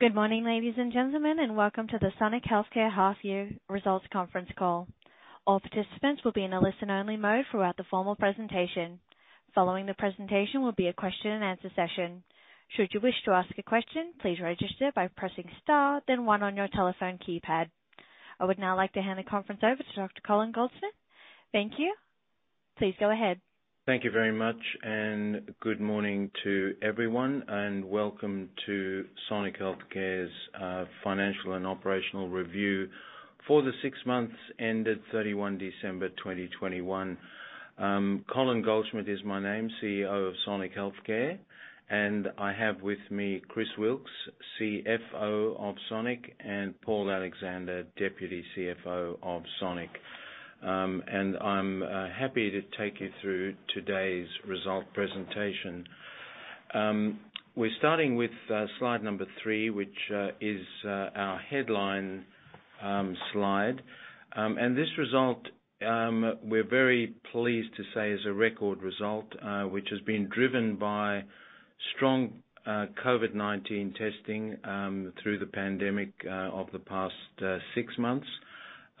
Good morning, ladies and gentlemen, and welcome to the Sonic Healthcare half year results conference call. All participants will be in a listen-only mode throughout the formal presentation. Following the presentation will be a question-and-answer session. Should you wish to ask a question, please register by pressing star then one on your telephone keypad. I would now like to hand the conference over to Dr. Colin Goldschmidt. Thank you. Please go ahead. Thank you very much and good morning to everyone, and welcome to Sonic Healthcare's financial and operational review for the six months ended 31 December 2021. Colin Goldschmidt is my name, CEO of Sonic Healthcare, and I have with me Chris Wilks, CFO of Sonic, and Paul Alexander, Deputy CFO of Sonic. I'm happy to take you through today's result presentation. We're starting with slide 3, which is our headline slide. This result, we're very pleased to say, is a record result, which has been driven by strong COVID-19 testing through the pandemic of the past six months,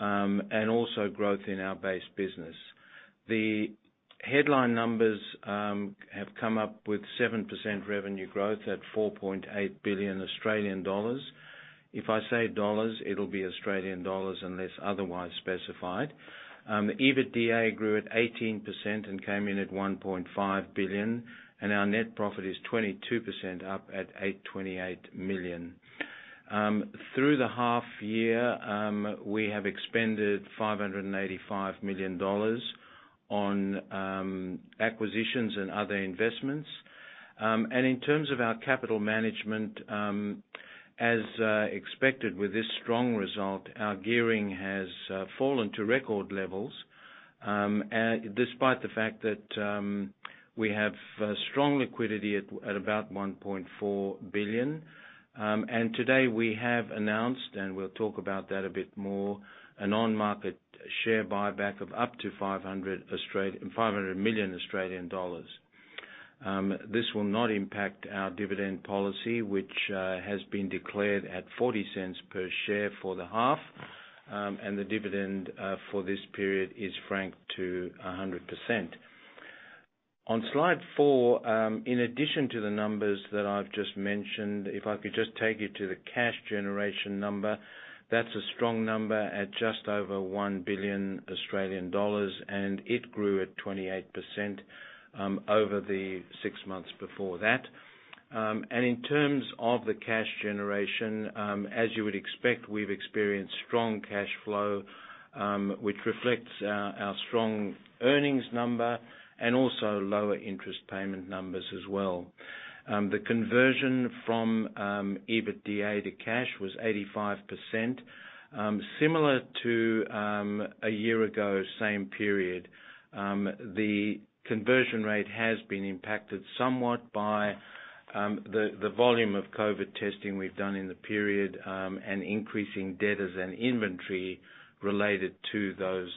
and also growth in our base business. The headline numbers have come up with 7% revenue growth at 4.8 billion Australian dollars. If I say dollars, it'll be Australian dollars unless otherwise specified. EBITDA grew at 18% and came in at 1.5 billion, and our net profit is 22% up at 828 million. Through the half year, we have expended 585 million dollars on acquisitions and other investments. In terms of our capital management, as expected with this strong result, our gearing has fallen to record levels despite the fact that we have strong liquidity at about 1.4 billion. Today we have announced, and we'll talk about that a bit more, an on-market share buyback of up to 500 million Australian dollars. This will not impact our dividend policy, which has been declared at 40 cents per share for the half. The dividend for this period is franked to 100%. On slide 4, in addition to the numbers that I've just mentioned, if I could just take you to the cash generation number. That's a strong number at just over 1 billion Australian dollars, and it grew at 28% over the 6 months before that. In terms of the cash generation, as you would expect, we've experienced strong cash flow, which reflects our strong earnings number and also lower interest payment numbers as well. The conversion from EBITDA to cash was 85%. Similar to a year ago, same period. The conversion rate has been impacted somewhat by the volume of COVID testing we've done in the period and increasing debtors and inventory related to those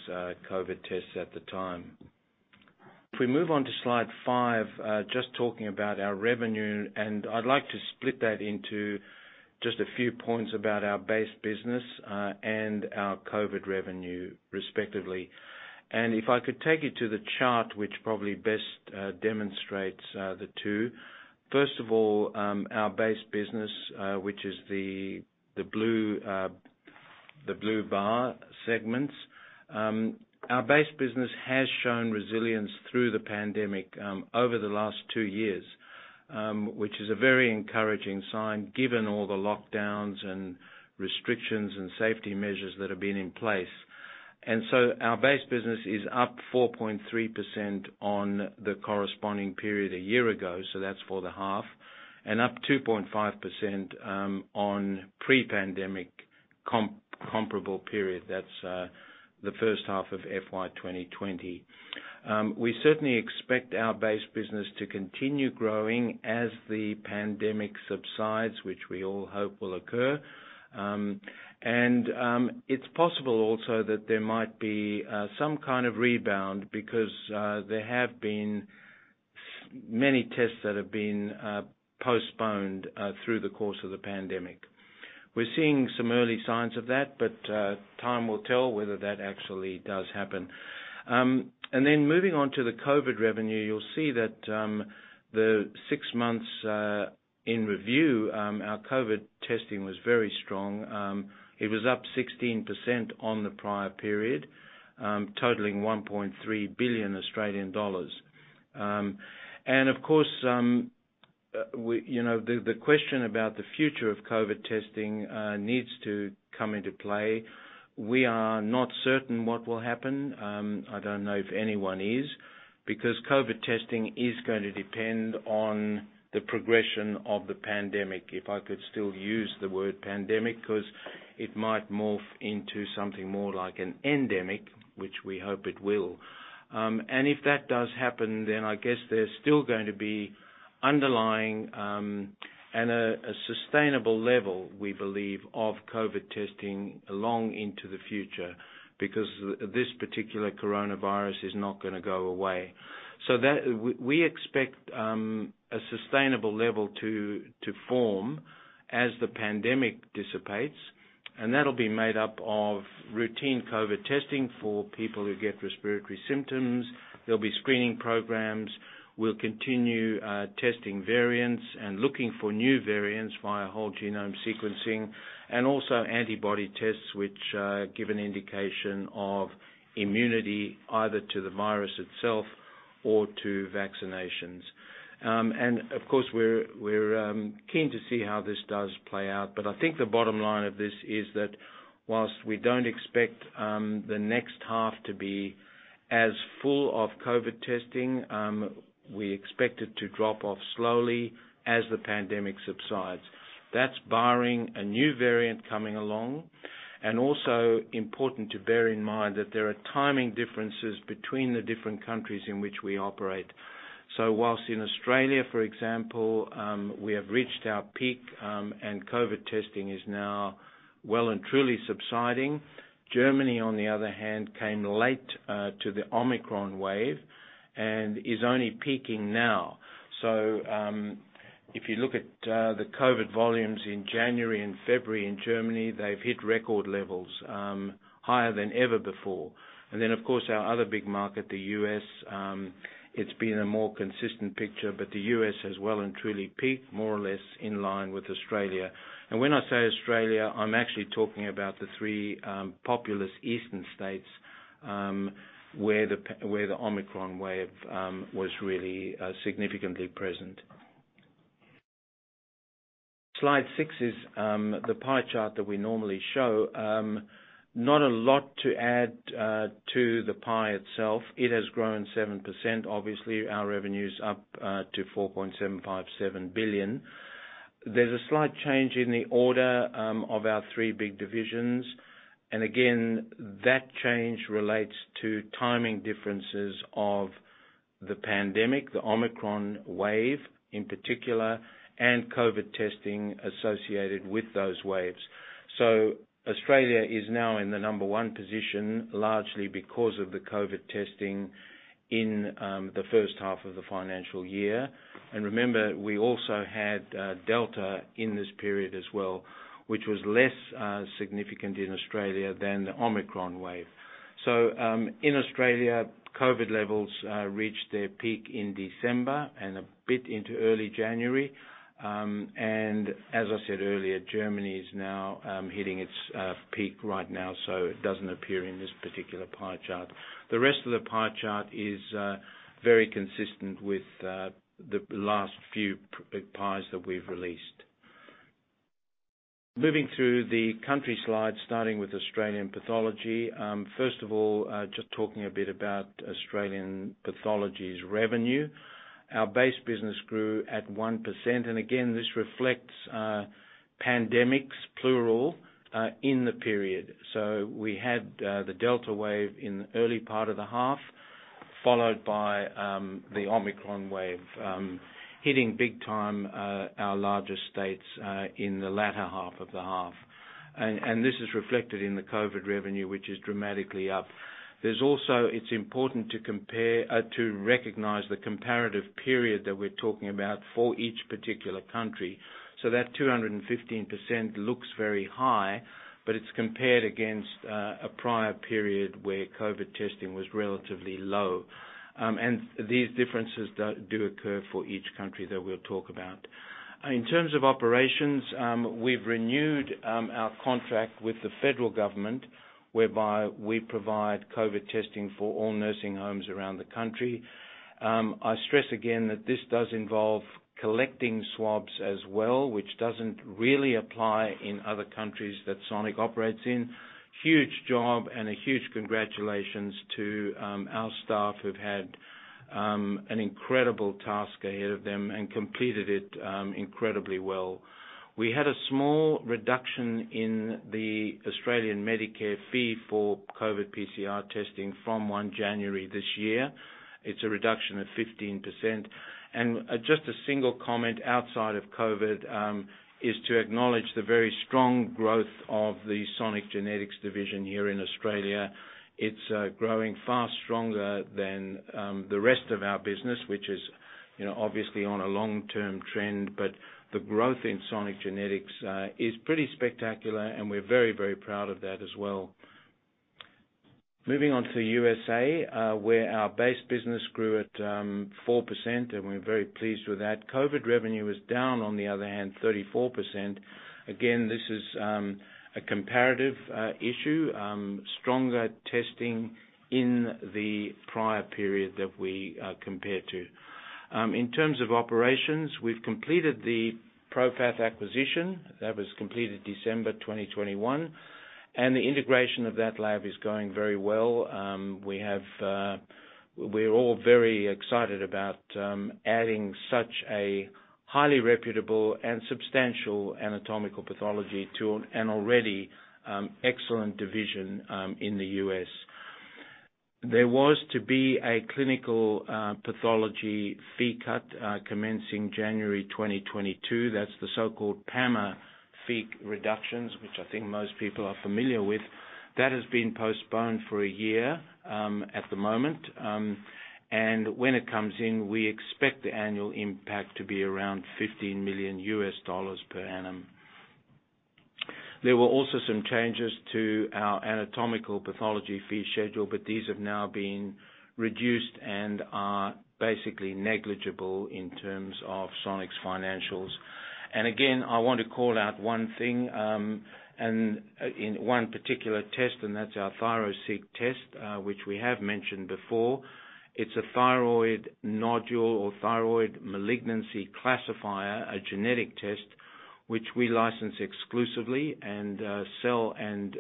COVID tests at the time. If we move on to slide 5, just talking about our revenue, and I'd like to split that into just a few points about our base business and our COVID revenue respectively. If I could take you to the chart which probably best demonstrates the two. First of all, our base business, which is the blue bar segments. Our base business has shown resilience through the pandemic over the last 2 years, which is a very encouraging sign given all the lockdowns and restrictions and safety measures that have been in place. Our base business is up 4.3% on the corresponding period a year ago, that's for the half, and up 2.5% on pre-pandemic comparable period. That's the H1 of FY 2020. We certainly expect our base business to continue growing as the pandemic subsides, which we all hope will occur. It's possible also that there might be some kind of rebound because there have been many tests that have been postponed through the course of the pandemic. We're seeing some early signs of that, but time will tell whether that actually does happen. Moving on to the COVID revenue. You'll see that the six months in review our COVID testing was very strong. It was up 16% on the prior period, totaling 1.3 billion Australian dollars. Of course, you know, the question about the future of COVID testing needs to come into play. We are not certain what will happen. I don't know if anyone is, because COVID testing is going to depend on the progression of the pandemic, if I could still use the word pandemic, cause it might morph into something more like an endemic, which we hope it will. If that does happen, then I guess there's still going to be underlying and a sustainable level we believe of COVID testing long into the future because this particular coronavirus is not gonna go away. We expect a sustainable level to form as the pandemic dissipates. That'll be made up of routine COVID testing for people who get respiratory symptoms. There'll be screening programs. We'll continue testing variants and looking for new variants via whole genome sequencing, and also antibody tests, which give an indication of immunity either to the virus itself or to vaccinations. Of course, we're keen to see how this does play out. I think the bottom line of this is that while we don't expect the next half to be as full of COVID testing, we expect it to drop off slowly as the pandemic subsides. That's barring a new variant coming along, and also important to bear in mind that there are timing differences between the different countries in which we operate. While in Australia, for example, we have reached our peak, and COVID testing is now well and truly subsiding. Germany, on the other hand, came late to the Omicron wave and is only peaking now. If you look at the COVID volumes in January and February in Germany, they've hit record levels, higher than ever before. Of course, our other big market, the U.S., it's been a more consistent picture, but the U.S. has well and truly peaked, more or less in line with Australia. When I say Australia, I'm actually talking about the three populous eastern states where the Omicron wave was really significantly present. Slide six is the pie chart that we normally show. Not a lot to add to the pie itself. It has grown 7%. Obviously, our revenue's up to 4.757 billion. There's a slight change in the order of our three big divisions. Again, that change relates to timing differences of the pandemic, the Omicron wave in particular, and COVID testing associated with those waves. Australia is now in the number one position, largely because of the COVID testing in the H1 of the financial year. Remember, we also had Delta in this period as well, which was less significant in Australia than the Omicron wave. In Australia, COVID levels reached their peak in December and a bit into early January. As I said earlier, Germany is now hitting its peak right now, so it doesn't appear in this particular pie chart. The rest of the pie chart is very consistent with the last few big pies that we've released. Moving through the country slides, starting with Australian Pathology. First of all, just talking a bit about Australian Pathology's revenue. Our base business grew at 1%, and again, this reflects pandemics, plural, in the period. We had the Delta wave in the early part of the half, followed by the Omicron wave hitting big time our larger states in the latter half of the half. And this is reflected in the COVID revenue, which is dramatically up. There's also, it's important to compare, to recognize the comparative period that we're talking about for each particular country. That 215% looks very high, but it's compared against a prior period where COVID testing was relatively low. These differences do occur for each country that we'll talk about. In terms of operations, we've renewed our contract with the federal government, whereby we provide COVID testing for all nursing homes around the country. I stress again that this does involve collecting swabs as well, which doesn't really apply in other countries that Sonic operates in. Huge job and a huge congratulations to our staff who've had an incredible task ahead of them and completed it incredibly well. We had a small reduction in the Australian Medicare fee for COVID PCR testing from 1 January this year. It's a reduction of 15%. Just a single comment outside of COVID is to acknowledge the very strong growth of the Sonic Genetics division here in Australia. It's growing far stronger than the rest of our business, which is, you know, obviously on a long-term trend. The growth in Sonic Genetics is pretty spectacular, and we're very, very proud of that as well. Moving on to USA, where our base business grew at 4%, and we're very pleased with that. COVID revenue was down, on the other hand, 34%. Again, this is a comparative issue, stronger testing in the prior period that we compare to. In terms of operations, we've completed the ProPath acquisition. That was completed December 2021, and the integration of that lab is going very well. We're all very excited about adding such a highly reputable and substantial anatomical pathology to an already excellent division in the US. There was to be a clinical pathology fee cut commencing January 2022. That's the so-called PAMA fee reductions, which I think most people are familiar with. That has been postponed for a year at the moment. When it comes in, we expect the annual impact to be around $15 million per annum. There were also some changes to our anatomical pathology fee schedule, but these have now been reduced and are basically negligible in terms of Sonic's financials. I want to call out one thing in one particular test, and that's our ThyroSeq test, which we have mentioned before. It's a thyroid nodule or thyroid malignancy classifier, a genetic test which we license exclusively and sell and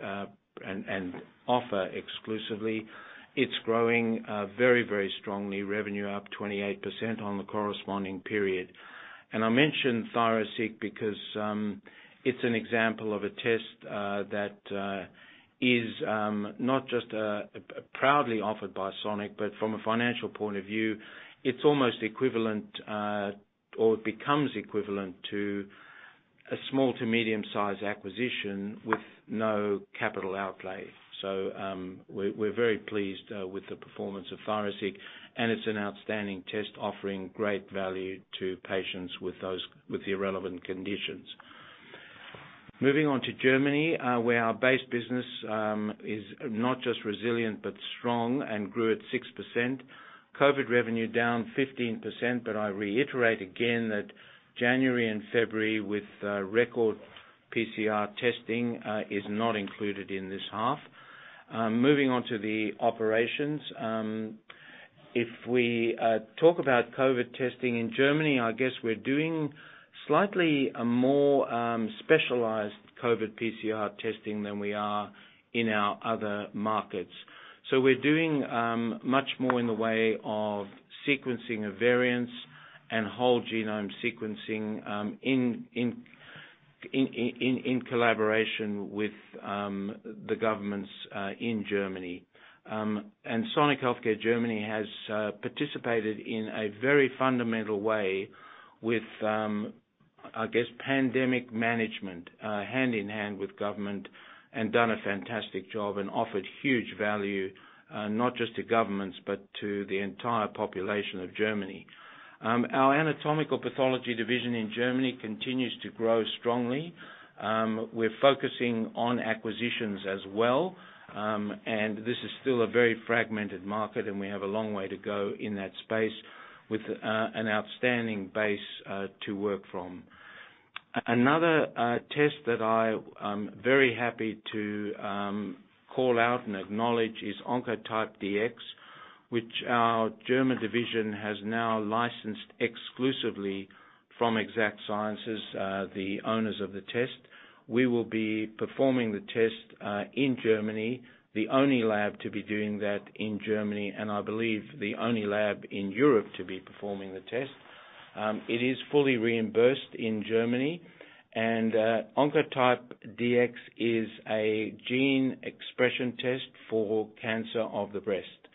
offer exclusively. It's growing very strongly, revenue up 28% on the corresponding period. I mention ThyroSeq because it's an example of a test that is not just proudly offered by Sonic, but from a financial point of view, it's almost equivalent or becomes equivalent to a small to medium-sized acquisition with no capital outlay. We're very pleased with the performance of ThyroSeq, and it's an outstanding test offering great value to patients with the relevant conditions. Moving on to Germany, where our base business is not just resilient, but strong and grew at 6%. COVID revenue down 15%, but I reiterate again that January and February with record PCR testing is not included in this half. Moving on to the operations. If we talk about COVID testing in Germany, I guess we're doing slightly more specialized COVID PCR testing than we are in our other markets. So, we're doing much more in the way of sequencing of variants and whole genome sequencing in collaboration with the governments in Germany. And Sonic Healthcare Germany has participated in a very fundamental way with I guess pandemic management hand in hand with government and done a fantastic job and offered huge value not just to governments but to the entire population of Germany. Our anatomical pathology division in Germany continues to grow strongly. We're focusing on acquisitions as well. This is still a very fragmented market, and we have a long way to go in that space with an outstanding base to work from. Another test that I am very happy to call out and acknowledge is Oncotype DX, which our German division has now licensed exclusively from Exact Sciences, the owners of the test. We will be performing the test in Germany, the only lab to be doing that in Germany, and I believe the only lab in Europe to be performing the test. It is fully reimbursed in Germany. Oncotype DX is a gene expression test for cancer of the breast.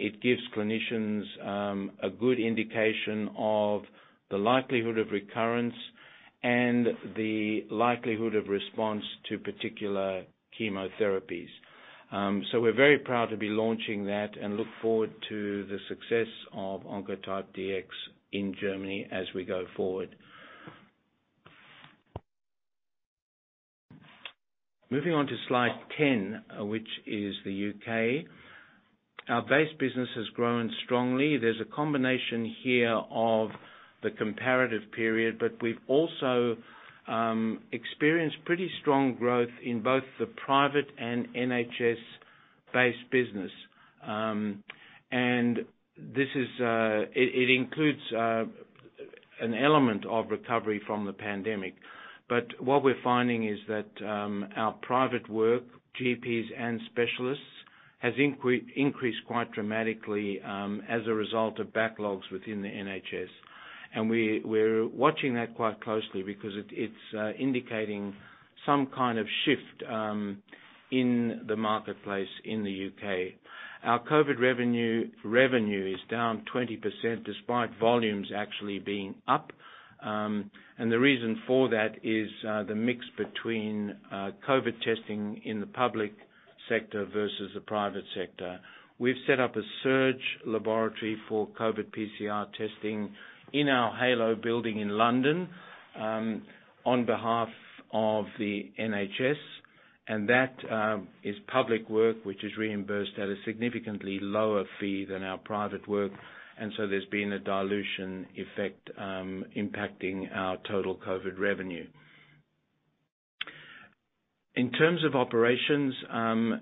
It gives clinicians a good indication of the likelihood of recurrence and the likelihood of response to particular chemotherapies. We're very proud to be launching that and look forward to the success of Oncotype DX in Germany as we go forward. Moving on to slide 10, which is the U.K. Our base business has grown strongly. There's a combination here of the comparative period, but we've also experienced pretty strong growth in both the private and NHS-based business. This is it includes an element of recovery from the pandemic. But what we're finding is that our private work, GPs and specialists, has increased quite dramatically as a result of backlogs within the NHS. We're watching that quite closely because it's indicating some kind of shift in the marketplace in the U.K. Our COVID revenue is down 20% despite volumes actually being up. The reason for that is the mix between COVID testing in the public sector versus the private sector. We've set up a surge laboratory for COVID PCR testing in our Halo building in London, on behalf of the NHS, and that is public work, which is reimbursed at a significantly lower fee than our private work. There's been a dilution effect impacting our total COVID revenue. In terms of operations,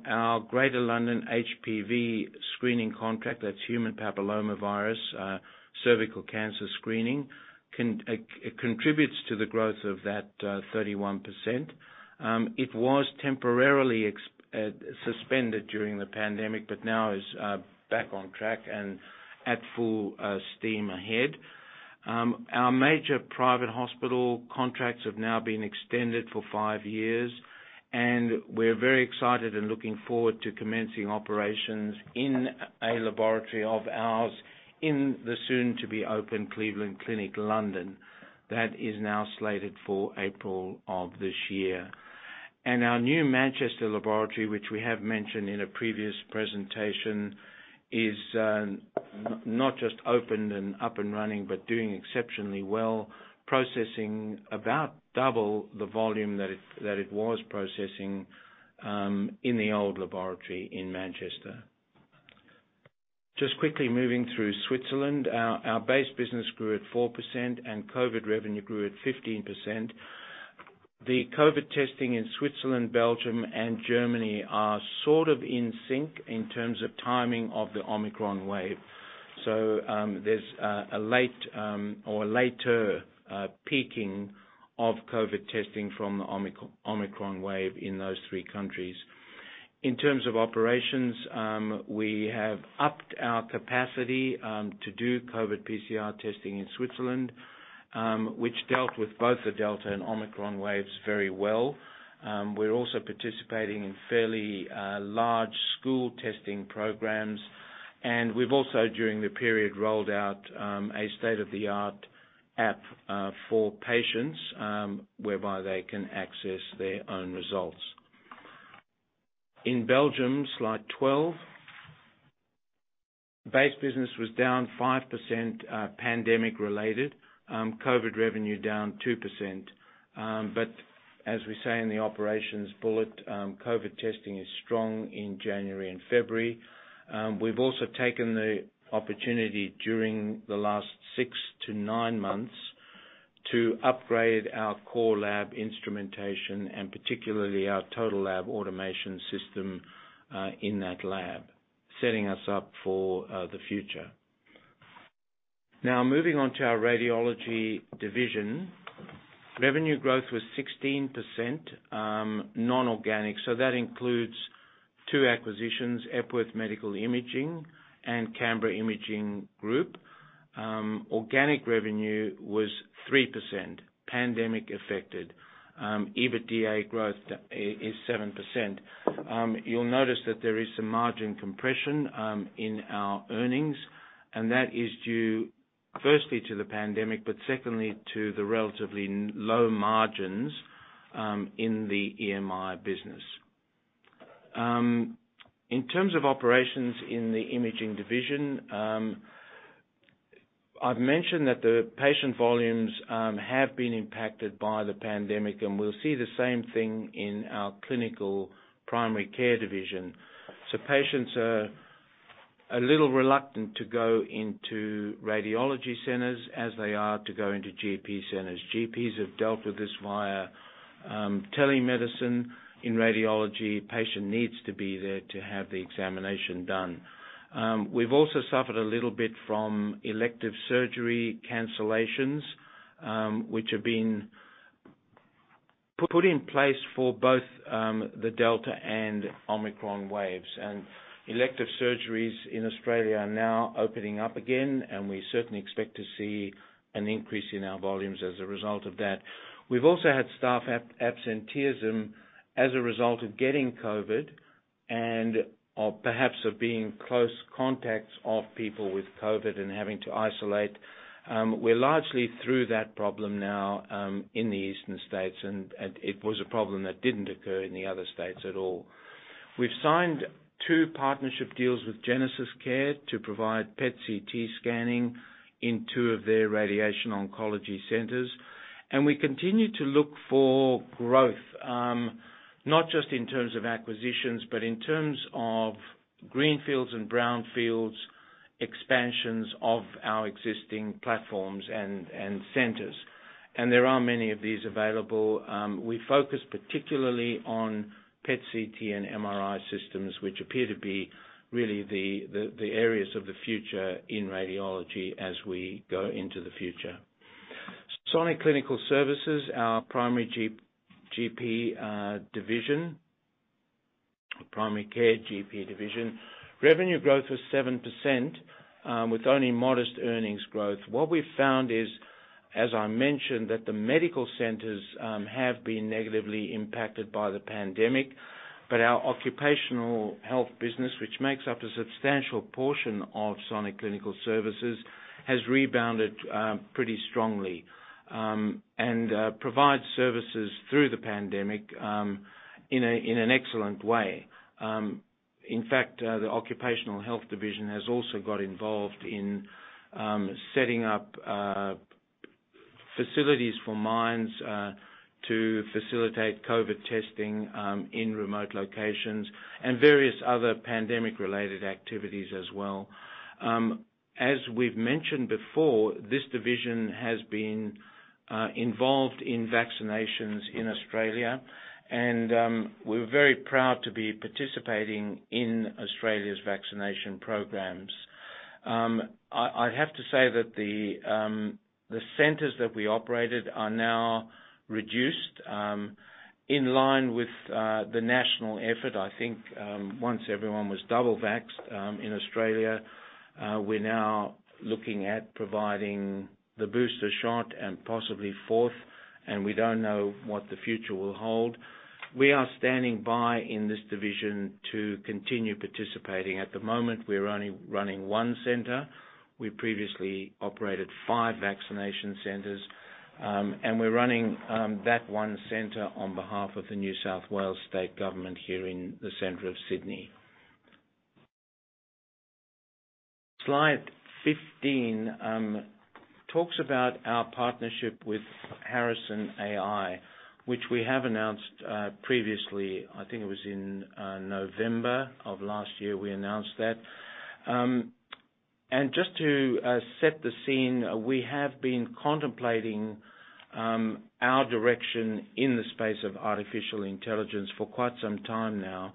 our Greater London HPV screening contract, that's human papillomavirus, cervical cancer screening, contributes to the growth of that 31%. It was temporarily suspended during the pandemic but now is back on track and at full steam ahead. Our major private hospital contracts have now been extended for five years, and we're very excited and looking forward to commencing operations in a laboratory of ours in the soon-to-be-open Cleveland Clinic, London. That is now slated for April of this year. Our new Manchester laboratory, which we have mentioned in a previous presentation, is not just open and up and running, but doing exceptionally well, processing about double the volume that it was processing in the old laboratory in Manchester. Just quickly moving through Switzerland. Our base business grew at 4% and COVID revenue grew at 15%. The COVID testing in Switzerland, Belgium and Germany are sort of in sync in terms of timing of the Omicron wave. There's a later peaking of COVID testing from the Omicron wave in those three countries. In terms of operations, we have upped our capacity to do COVID PCR testing in Switzerland, which dealt with both the Delta and Omicron waves very well. We're also participating in fairly large school testing programs, and we've also during the period rolled out a state-of-the-art app for patients whereby they can access their own results. In Belgium, slide 12. Base business was down 5%, pandemic related. COVID revenue down 2%. But as we say in the operations bullet, COVID testing is strong in January and February. We've also taken the opportunity during the last six to nine months to upgrade our core lab instrumentation and particularly our total lab automation system in that lab, setting us up for the future. Now, moving on to our radiology division. Revenue growth was 16%, non-organic, so that includes two acquisitions, Epworth Medical Imaging and Canberra Imaging Group. Organic revenue was 3%, pandemic affected. EBITDA growth is 7%. You'll notice that there is some margin compression in our earnings, and that is due firstly to the pandemic, but secondly to the relatively low margins in the EMI business. In terms of operations in the imaging division, I've mentioned that the patient volumes have been impacted by the pandemic, and we'll see the same thing in our clinical primary care division. Patients are a little reluctant to go into radiology centers as they are to go into GP centers. GPs have dealt with this via telemedicine. In radiology, patient needs to be there to have the examination done. We've also suffered a little bit from elective surgery cancellations, which have been put in place for both the Delta and Omicron waves. Elective surgeries in Australia are now opening up again, and we certainly expect to see an increase in our volumes as a result of that. We've also had staff absenteeism as a result of getting COVID and/or perhaps of being close contacts of people with COVID and having to isolate. We're largely through that problem now in the eastern states, and it was a problem that didn't occur in the other states at all. We've signed two partnership deals with GenesisCare to provide PET CT scanning in two of their radiation oncology centers. We continue to look for growth, not just in terms of acquisitions, but in terms of greenfields and brownfields, expansions of our existing platforms and centers. There are many of these available. We focus particularly on PET CT and MRI systems, which appear to be really the areas of the future in radiology as we go into the future. Sonic Clinical Services, our primary GP division or primary care GP division. Revenue growth was 7%, with only modest earnings growth. What we've found is, as I mentioned, that the medical centers have been negatively impacted by the pandemic. But our occupational health business, which makes up a substantial portion of Sonic Clinical Services, has rebounded pretty strongly. Provide services through the pandemic in an excellent way. In fact, the occupational health division has also got involved in setting up facilities for mines to facilitate COVID testing in remote locations and various other pandemic-related activities as well. As we've mentioned before, this division has been involved in vaccinations in Australia, and we're very proud to be participating in Australia's vaccination programs. I have to say that the centers that we operated are now reduced in line with the national effort. I think once everyone was double vaxxed in Australia, we're now looking at providing the booster shot and possibly fourth, and we don't know what the future will hold. We are standing by in this division to continue participating. At the moment, we're only running one center. We previously operated five vaccination centers. We're running that one center on behalf of the New South Wales state government here in the center of Sydney. Slide 15 talks about our partnership with Harrison.ai, which we have announced previously. I think it was in November of last year, we announced that. Just to set the scene, we have been contemplating our direction in the space of artificial intelligence for quite some time now,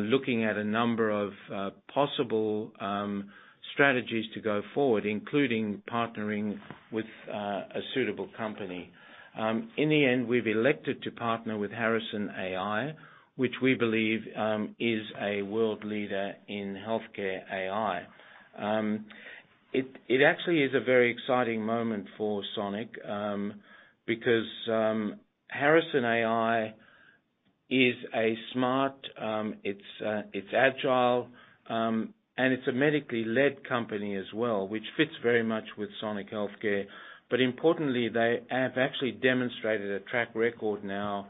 looking at a number of possible strategies to go forward, including partnering with a suitable company. In the end, we've elected to partner with Harrison.ai, which we believe is a world leader in healthcare AI. It actually is a very exciting moment for Sonic, because Harrison.ai is a smart, it's agile, and it's a medically-led company as well, which fits very much with Sonic Healthcare. Importantly, they have actually demonstrated a track record now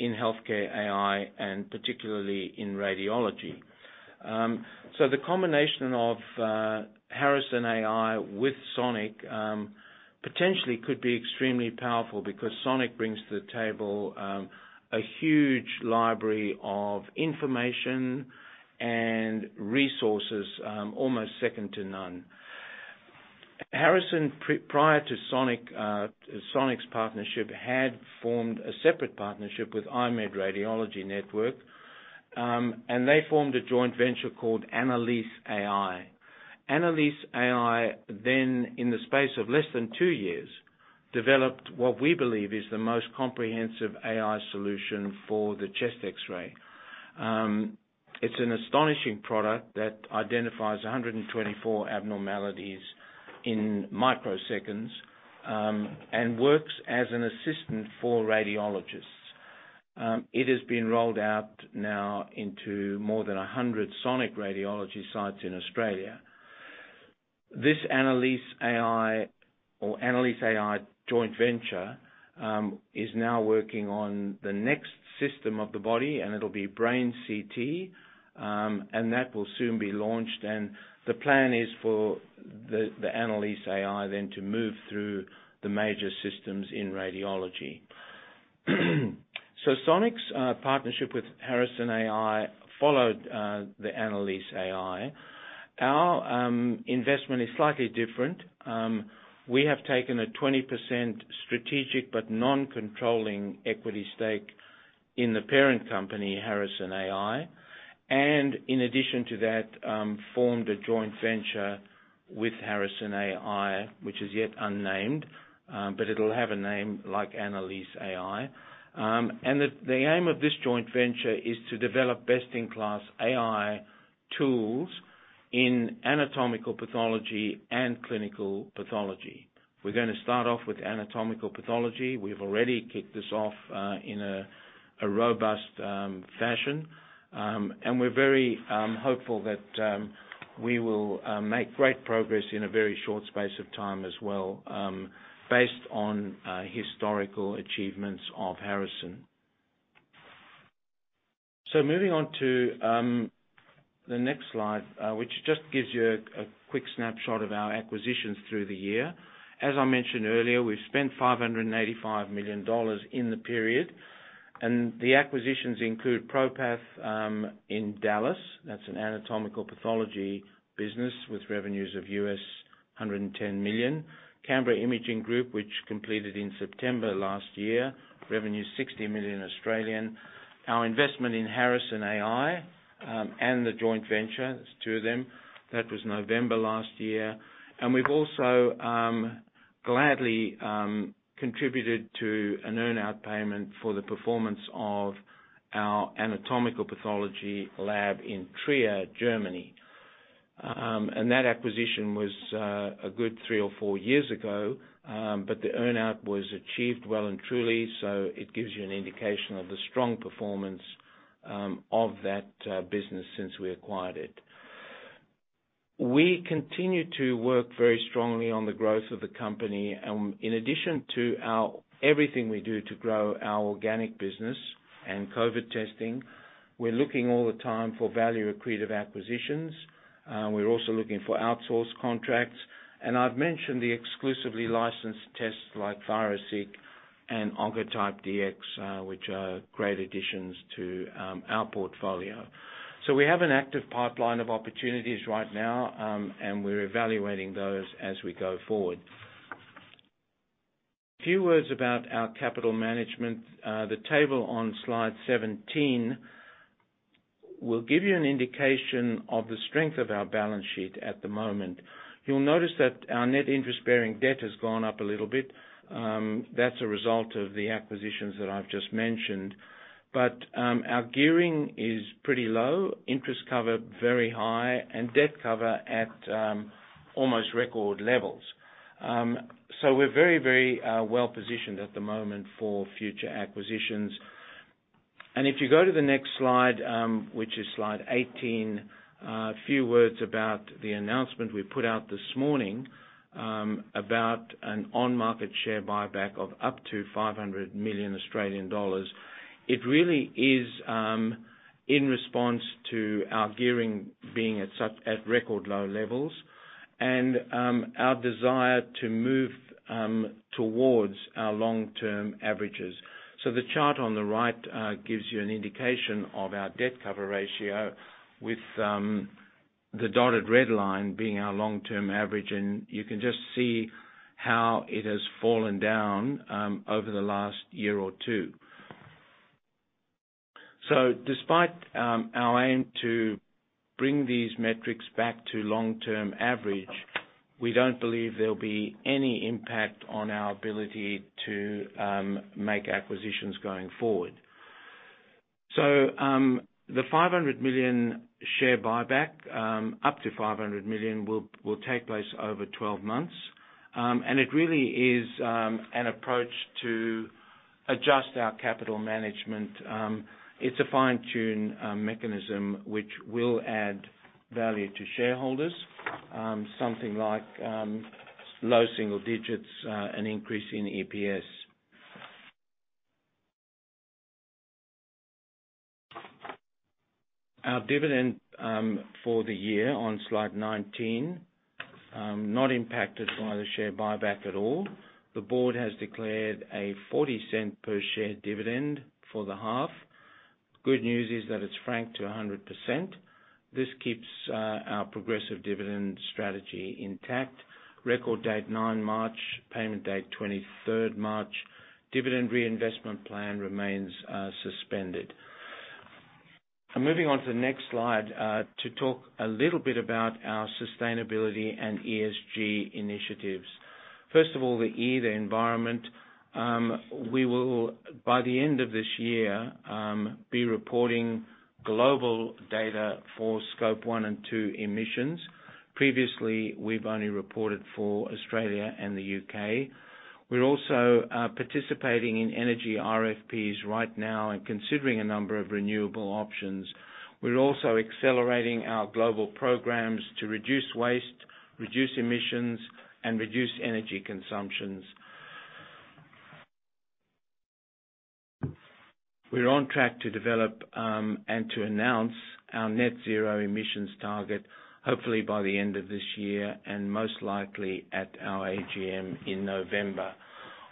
in healthcare AI, and particularly in radiology. The combination of Harrison.ai with Sonic potentially could be extremely powerful because Sonic brings to the table a huge library of information and resources, almost second to none. Harrison, prior to Sonic's partnership, had formed a separate partnership with I-MED Radiology Network, and they formed a joint venture called Annalise.ai. Annalise.ai, in the space of less than two years, developed what we believe is the most comprehensive AI solution for the chest X-ray. It's an astonishing product that identifies 124 abnormalities in microseconds and works as an assistant for radiologists. It has been rolled out now into more than 100 Sonic Radiology sites in Australia. This Annalise.ai or Annalise.ai joint venture is now working on the next system of the body, and it'll be brain CT, and that will soon be launched. The plan is for the Annalise.ai then to move through the major systems in radiology. Sonic's partnership with Harrison.ai followed the Annalise.ai. Our investment is slightly different. We have taken a 20% strategic but non-controlling equity stake in the parent company, Harrison.ai, and in addition to that, formed a joint venture with Harrison.ai, which is yet unnamed, but it'll have a name like Annalise.ai. The aim of this joint venture is to develop best-in-class AI tools in anatomical pathology and clinical pathology. We're gonna start off with anatomical pathology. We've already kicked this off in a robust fashion. We're very hopeful that we will make great progress in a very short space of time as well, based on historical achievements of Harrison. Moving on to the next slide, which just gives you a quick snapshot of our acquisitions through the year. As I mentioned earlier, we've spent 585 million dollars in the period, and the acquisitions include ProPath in Dallas, that's an anatomical pathology business with revenues of US$110 million. Canberra Imaging Group, which completed in September last year, revenue 60 million. Our investment in Harrison.ai and the joint venture, there are 2 of them. That was November last year. We've also gladly contributed to an earn-out payment for the performance of our anatomical pathology lab in Trier, Germany. That acquisition was a good 3 or 4 years ago, but the earn-out was achieved well and truly, so it gives you an indication of the strong performance of that business since we acquired it. We continue to work very strongly on the growth of the company. In addition to everything we do to grow our organic business and COVID testing, we're looking all the time for value accretive acquisitions. We're also looking for outsource contracts, and I've mentioned the exclusively licensed tests like ThyroSeq and Oncotype DX, which are great additions to our portfolio. We have an active pipeline of opportunities right now, and we're evaluating those as we go forward. A few words about our capital management. The table on slide 17 will give you an indication of the strength of our balance sheet at the moment. You'll notice that our net interest-bearing debt has gone up a little bit. That's a result of the acquisitions that I've just mentioned. Our gearing is pretty low, interest cover very high, and debt cover at almost record levels. We're very, very well positioned at the moment for future acquisitions. If you go to the next slide, which is slide 18, a few words about the announcement we put out this morning, about an on-market share buyback of up to 500 million Australian dollars. It really is in response to our gearing being at such record low levels and our desire to move towards our long-term averages. The chart on the right gives you an indication of our debt cover ratio with the dotted red line being our long-term average. You can just see how it has fallen down over the last year or two. Despite our aim to bring these metrics back to long-term average, we don't believe there'll be any impact on our ability to make acquisitions going forward. The 500 million share buyback, up to 500 million, will take place over 12 months. It really is an approach to adjust our capital management. It's a fine-tune mechanism which will add value to shareholders. Something like low single digits, an increase in EPS. Our dividend for the year on slide 19, not impacted by the share buyback at all. The board has declared a 40 cent per share dividend for the half. Good news is that it's franked to 100%. This keeps our progressive dividend strategy intact. Record date, 9 March, payment date, 23 March. Dividend reinvestment plan remains suspended. I'm moving on to the next slide to talk a little bit about our sustainability and ESG initiatives. First of all, the E, the environment. We will by the end of this year be reporting global data for scope one and two emissions. Previously, we've only reported for Australia and the U.K. We're also participating in energy RFPs right now and considering a number of renewable options. We're also accelerating our global programs to reduce waste, reduce emissions, and reduce energy consumptions. We're on track to develop and to announce our net zero emissions target, hopefully by the end of this year, and most likely at our AGM in November.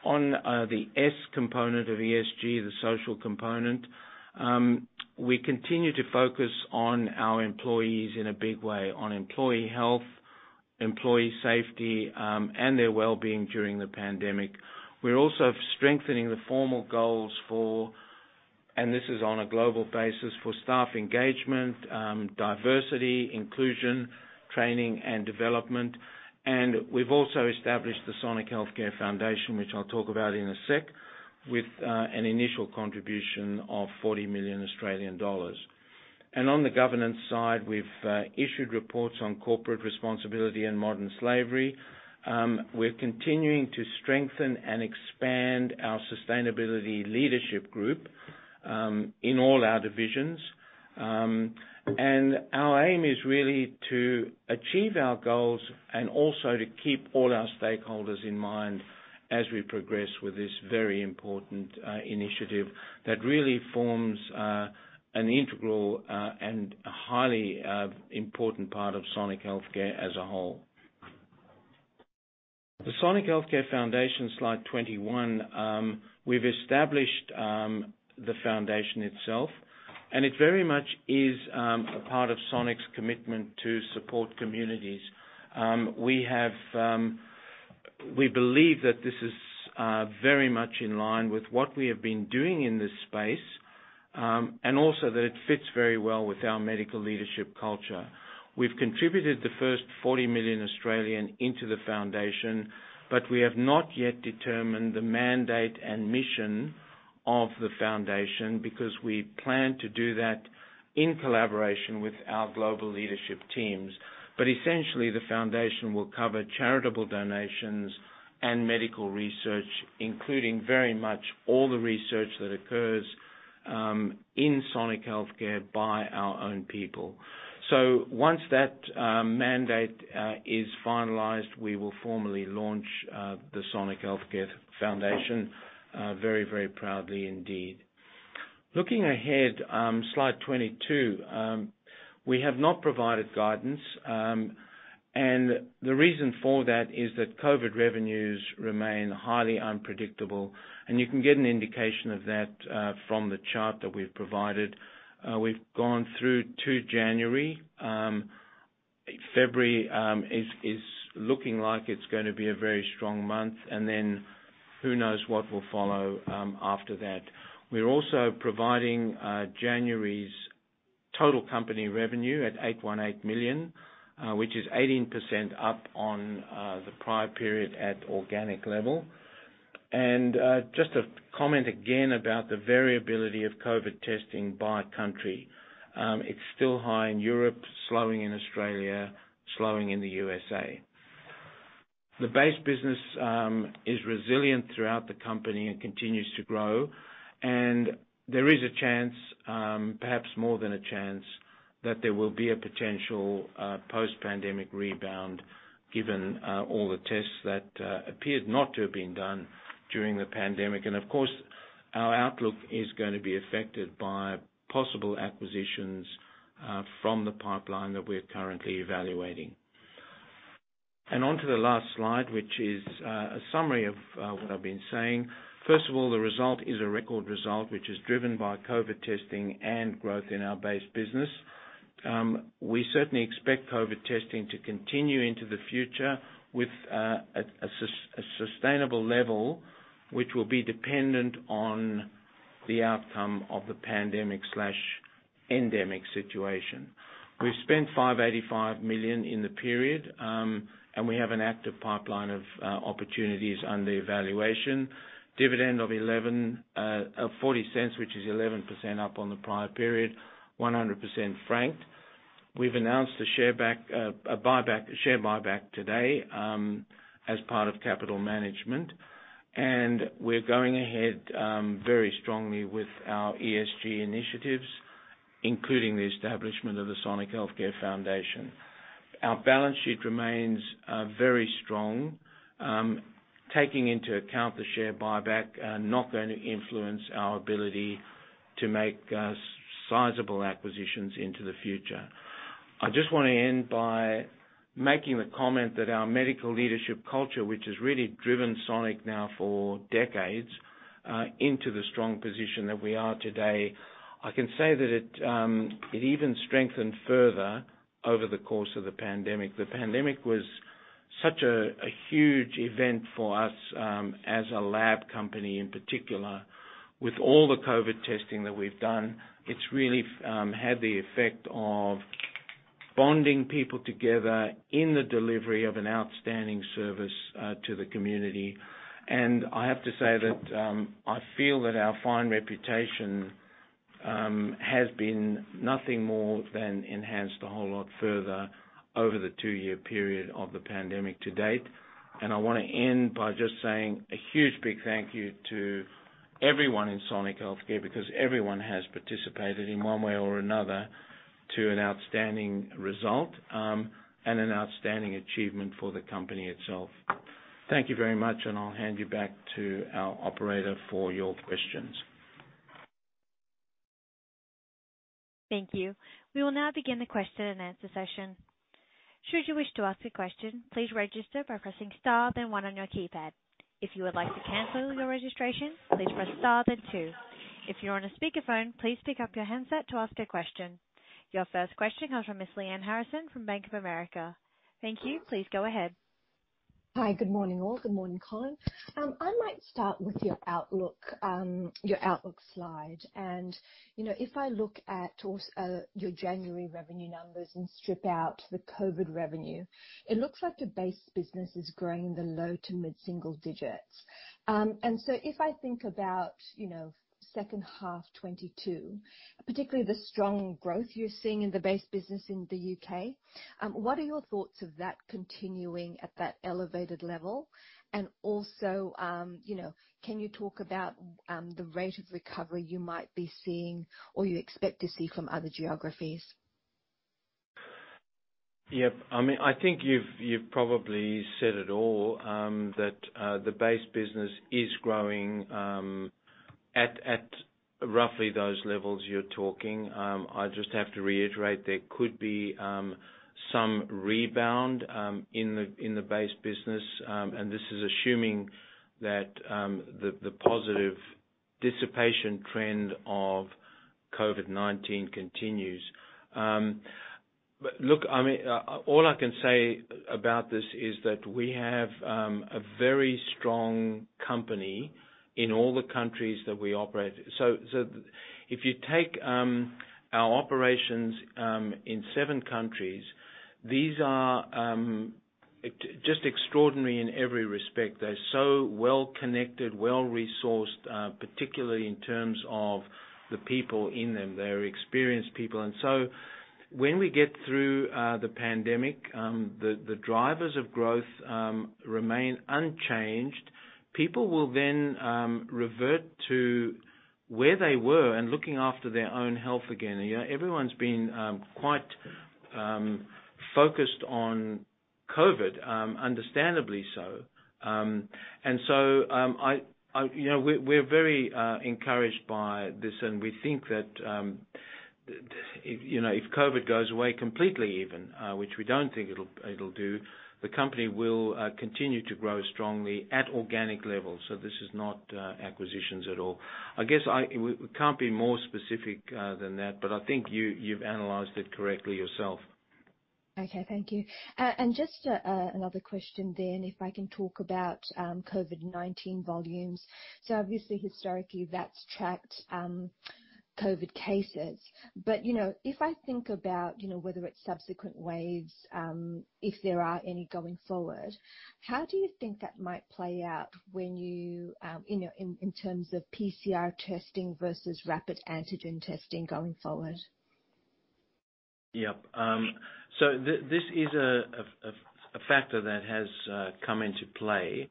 On the S component of ESG, the social component, we continue to focus on our employees in a big way, on employee health, employee safety, and their wellbeing during the pandemic. We're also strengthening the formal goals for, and this is on a global basis, for staff engagement, diversity, inclusion, training and development. We've also established the Sonic Healthcare Foundation, which I'll talk about in a sec, with an initial contribution of 40 million Australian dollars. On the governance side, we've issued reports on corporate responsibility and modern slavery. We're continuing to strengthen and expand our sustainability leadership group in all our divisions. Our aim is really to achieve our goals and also to keep all our stakeholders in mind as we progress with this very important initiative that really forms an integral and a highly important part of Sonic Healthcare as a whole. The Sonic Healthcare Foundation, slide 21. We've established the foundation itself, and it very much is a part of Sonic's commitment to support communities. We have. We believe that this is very much in line with what we have been doing in this space, and also that it fits very well with our medical leadership culture. We've contributed the first 40 million into the foundation, but we have not yet determined the mandate and mission of the foundation because we plan to do that in collaboration with our global leadership teams. Essentially, the foundation will cover charitable donations and medical research, including very much all the research that occurs in Sonic Healthcare by our own people. Once that mandate is finalized, we will formally launch the Sonic Healthcare Foundation very, very proudly indeed. Looking ahead, slide 22. We have not provided guidance, and the reason for that is that COVID revenues remain highly unpredictable. You can get an indication of that from the chart that we've provided. We've gone through to January. February is looking like it's gonna be a very strong month, and then who knows what will follow after that. We're also providing January's total company revenue at 818 million, which is 18% up on the prior period at organic level. Just to comment again about the variability of COVID testing by country. It's still high in Europe, slowing in Australia, slowing in the USA. The base business is resilient throughout the company and continues to grow, and there is a chance, perhaps more than a chance that there will be a potential post-pandemic rebound given all the tests that appeared not to have been done during the pandemic. Of course, our outlook is gonna be affected by possible acquisitions from the pipeline that we're currently evaluating. Onto the last slide, which is a summary of what I've been saying. First of all, the result is a record result, which is driven by COVID testing and growth in our base business. We certainly expect COVID testing to continue into the future with a sustainable level, which will be dependent on the outcome of the pandemic or endemic situation. We've spent 585 million in the period, and we have an active pipeline of opportunities under evaluation. Dividend of 0.40, which is 11% up on the prior period, 100% franked. We've announced a share buyback today, as part of capital management. We're going ahead very strongly with our ESG initiatives, including the establishment of the Sonic Healthcare Foundation. Our balance sheet remains very strong. Taking into account the share buyback are not gonna influence our ability to make sizable acquisitions into the future. I just wanna end by making the comment that our medical leadership culture, which has really driven Sonic now for decades, into the strong position that we are today. I can say that it even strengthened further over the course of the pandemic. The pandemic was such a huge event for us as a lab company, in particular. With all the COVID testing that we've done, it's really had the effect of bonding people together in the delivery of an outstanding service to the community. I have to say that, I feel that our fine reputation has been nothing more than enhanced a whole lot further over the two-year period of the pandemic to date. I wanna end by just saying a huge, big thank you to everyone in Sonic Healthcare, because everyone has participated in one way or another, to an outstanding result, and an outstanding achievement for the company itself. Thank you very much, and I'll hand you back to our operator for your questions. Thank you. We will now begin the question-and-answer session. Should you wish to ask a question, please register by pressing star then one on your keypad. If you would like to cancel your registration, please press star then two. If you're on a speakerphone, please pick up your handset to ask a question. Your first question comes from Miss Lyanne Harrison from Bank of America. Thank you. Please go ahead. Hi. Good morning, all. Good morning, Colin. I might start with your outlook, your outlook slide. You know, if I look at your January revenue numbers and strip out the COVID revenue, it looks like the base business is growing in the low to mid-single digits. If I think about, you know, H2 2022, particularly the strong growth you're seeing in the base business in the U.K., what are your thoughts of that continuing at that elevated level? You know, can you talk about the rate of recovery you might be seeing or you expect to see from other geographies? Yeah. I mean, I think you've probably said it all, that the base business is growing at roughly those levels you're talking. I just have to reiterate, there could be some rebound in the base business. This is assuming that the positive dissipation trend of COVID-19 continues. Look, I mean, all I can say about this is that we have a very strong company in all the countries that we operate. If you take our operations in seven countries, these are just extraordinary in every respect. They're so well connected, well-resourced, particularly in terms of the people in them. They're experienced people. When we get through the pandemic, the drivers of growth remain unchanged. People will revert to where they were and looking after their own health again. You know, everyone's been quite focused on COVID, understandably so. You know, we're very encouraged by this, and we think that, you know, if COVID goes away completely even, which we don't think it'll do, the company will continue to grow strongly at organic levels. This is not acquisitions at all. I guess, we can't be more specific than that, but I think you've analyzed it correctly yourself. Okay. Thank you. Just another question then, if I can talk about COVID-19 volumes. Obviously historically, that's tracked COVID cases. You know, if I think about, you know, whether it's subsequent waves, if there are any going forward, how do you think that might play out when you know, in terms of PCR testing versus rapid antigen testing going forward? Yep. So, this is a factor that has come into play.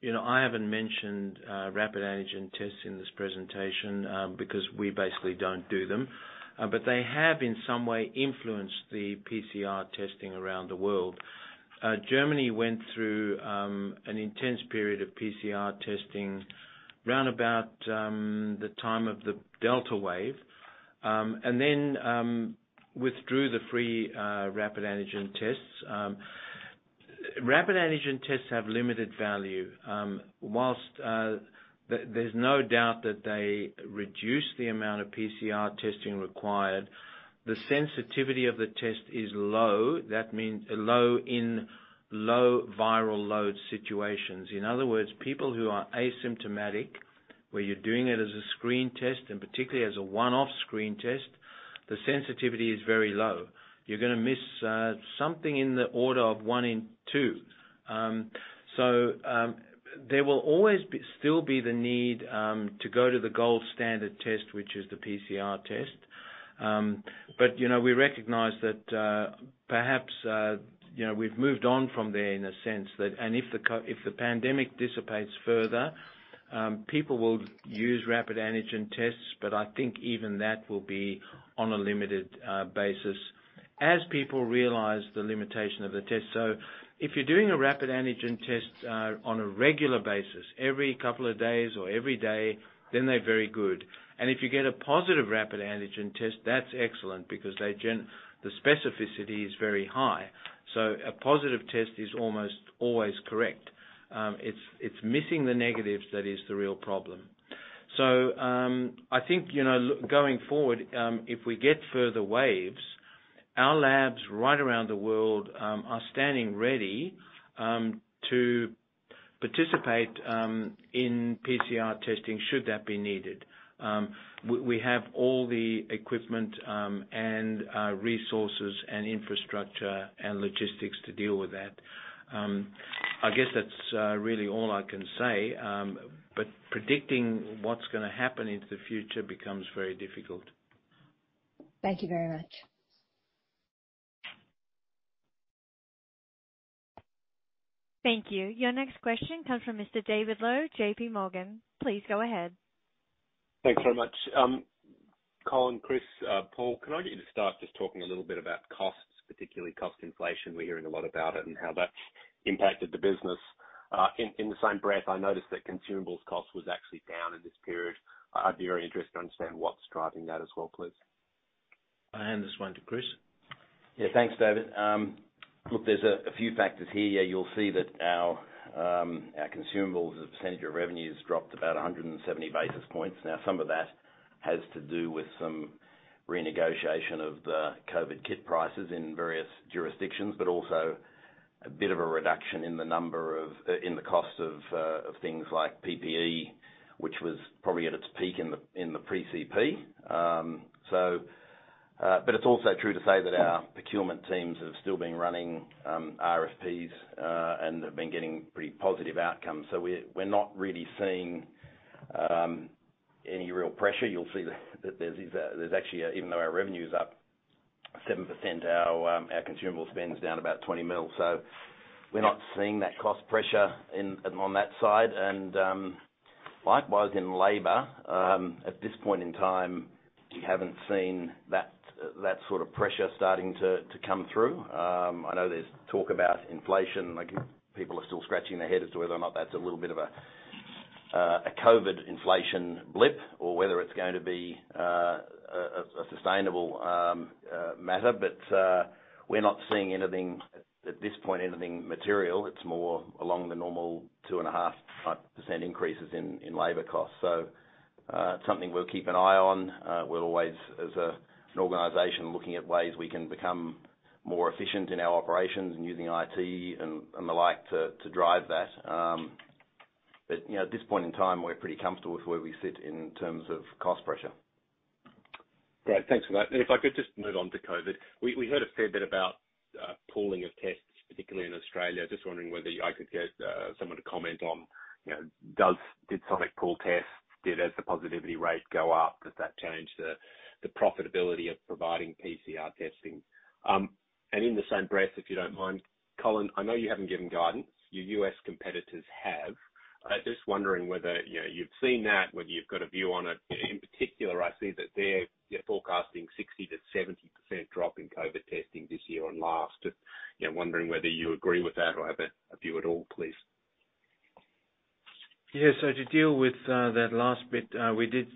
You know, I haven't mentioned rapid antigen tests in this presentation because we basically don't do them. They have, in some way, influenced the PCR testing around the world. Germany went through an intense period of PCR testing round about the time of the Delta wave and then withdrew the free rapid antigen tests. Rapid antigen tests have limited value. While there's no doubt that they reduce the amount of PCR testing required, the sensitivity of the test is low. That means low in low viral load situations. In other words, people who are asymptomatic, where you're doing it as a screen test, and particularly as a one-off screen test, the sensitivity is very low. You're gonna miss something in the order of one in two. There will always be the need to go to the gold standard test, which is the PCR test. You know, we recognize that, perhaps, you know, we've moved on from there in a sense. If the pandemic dissipates further, people will use rapid antigen tests, but I think even that will be on a limited basis as people realize the limitation of the test. If you're doing a rapid antigen test on a regular basis every couple of days or every day, then they're very good. If you get a positive rapid antigen test, that's excellent because the specificity is very high. A positive test is almost always correct. It's missing the negatives that is the real problem. I think, you know, going forward, if we get further waves, our labs right around the world are standing ready to participate in PCR testing should that be needed. We have all the equipment and resources and infrastructure and logistics to deal with that. I guess that's really all I can say. Predicting what's gonna happen into the future becomes very difficult. Thank you very much. Thank you. Your next question comes from Mr. David Low, JP Morgan. Please go ahead. Thanks very much. Colin, Chris, Paul, can I get you to start just talking a little bit about costs, particularly cost inflation? We're hearing a lot about it and how that's impacted the business. In the same breath, I noticed that consumables cost was actually down in this period. I'd be very interested to understand what's driving that as well, please. I'll hand this one to Chris. Yeah. Thanks, David. Look, there's a few factors here. You'll see that our consumables as a percentage of revenues dropped about 170 basis points. Now, some of that has to do with some renegotiation of the COVID kit prices in various jurisdictions, but also a bit of a reduction in the cost of things like PPE, which was probably at its peak in the pre-COVID. It's also true to say that our procurement teams have still been running RFPs and have been getting pretty positive outcomes. We're not really seeing any real pressure. You'll see that there's actually, even though our revenue's up 7%, our consumable spend's down about 20 million. We're not seeing that cost pressure in on that side. Likewise in labor, at this point in time, we haven't seen that sort of pressure starting to come through. I know there's talk about inflation. Like, people are still scratching their head as to whether or not that's a little bit of a COVID inflation blip or whether it's going to be a sustainable matter. We're not seeing anything, at this point, anything material. It's more along the normal 2.5% increases in labor costs. It's something we'll keep an eye on. We're always, as an organization, looking at ways we can become more efficient in our operations and using IT and the like to drive that. You know, at this point in time, we're pretty comfortable with where we sit in terms of cost pressure. Great. Thanks for that. If I could just move on to COVID. We heard a fair bit about pooling of tests, particularly in Australia. Just wondering whether I could get someone to comment on, you know, did Sonic pool tests? Did as the positivity rate go up, does that change the profitability of providing PCR testing? In the same breath, if you don't mind, Colin, I know you haven't given guidance. Your U.S. competitors have. I'm just wondering whether, you know, you've seen that, whether you've got a view on it. In particular, I see that they're forecasting 60 to 70% drop in COVID testing this year on last. Just wondering whether you agree with that or have a view at all, please. Yeah. To deal with that last bit, we did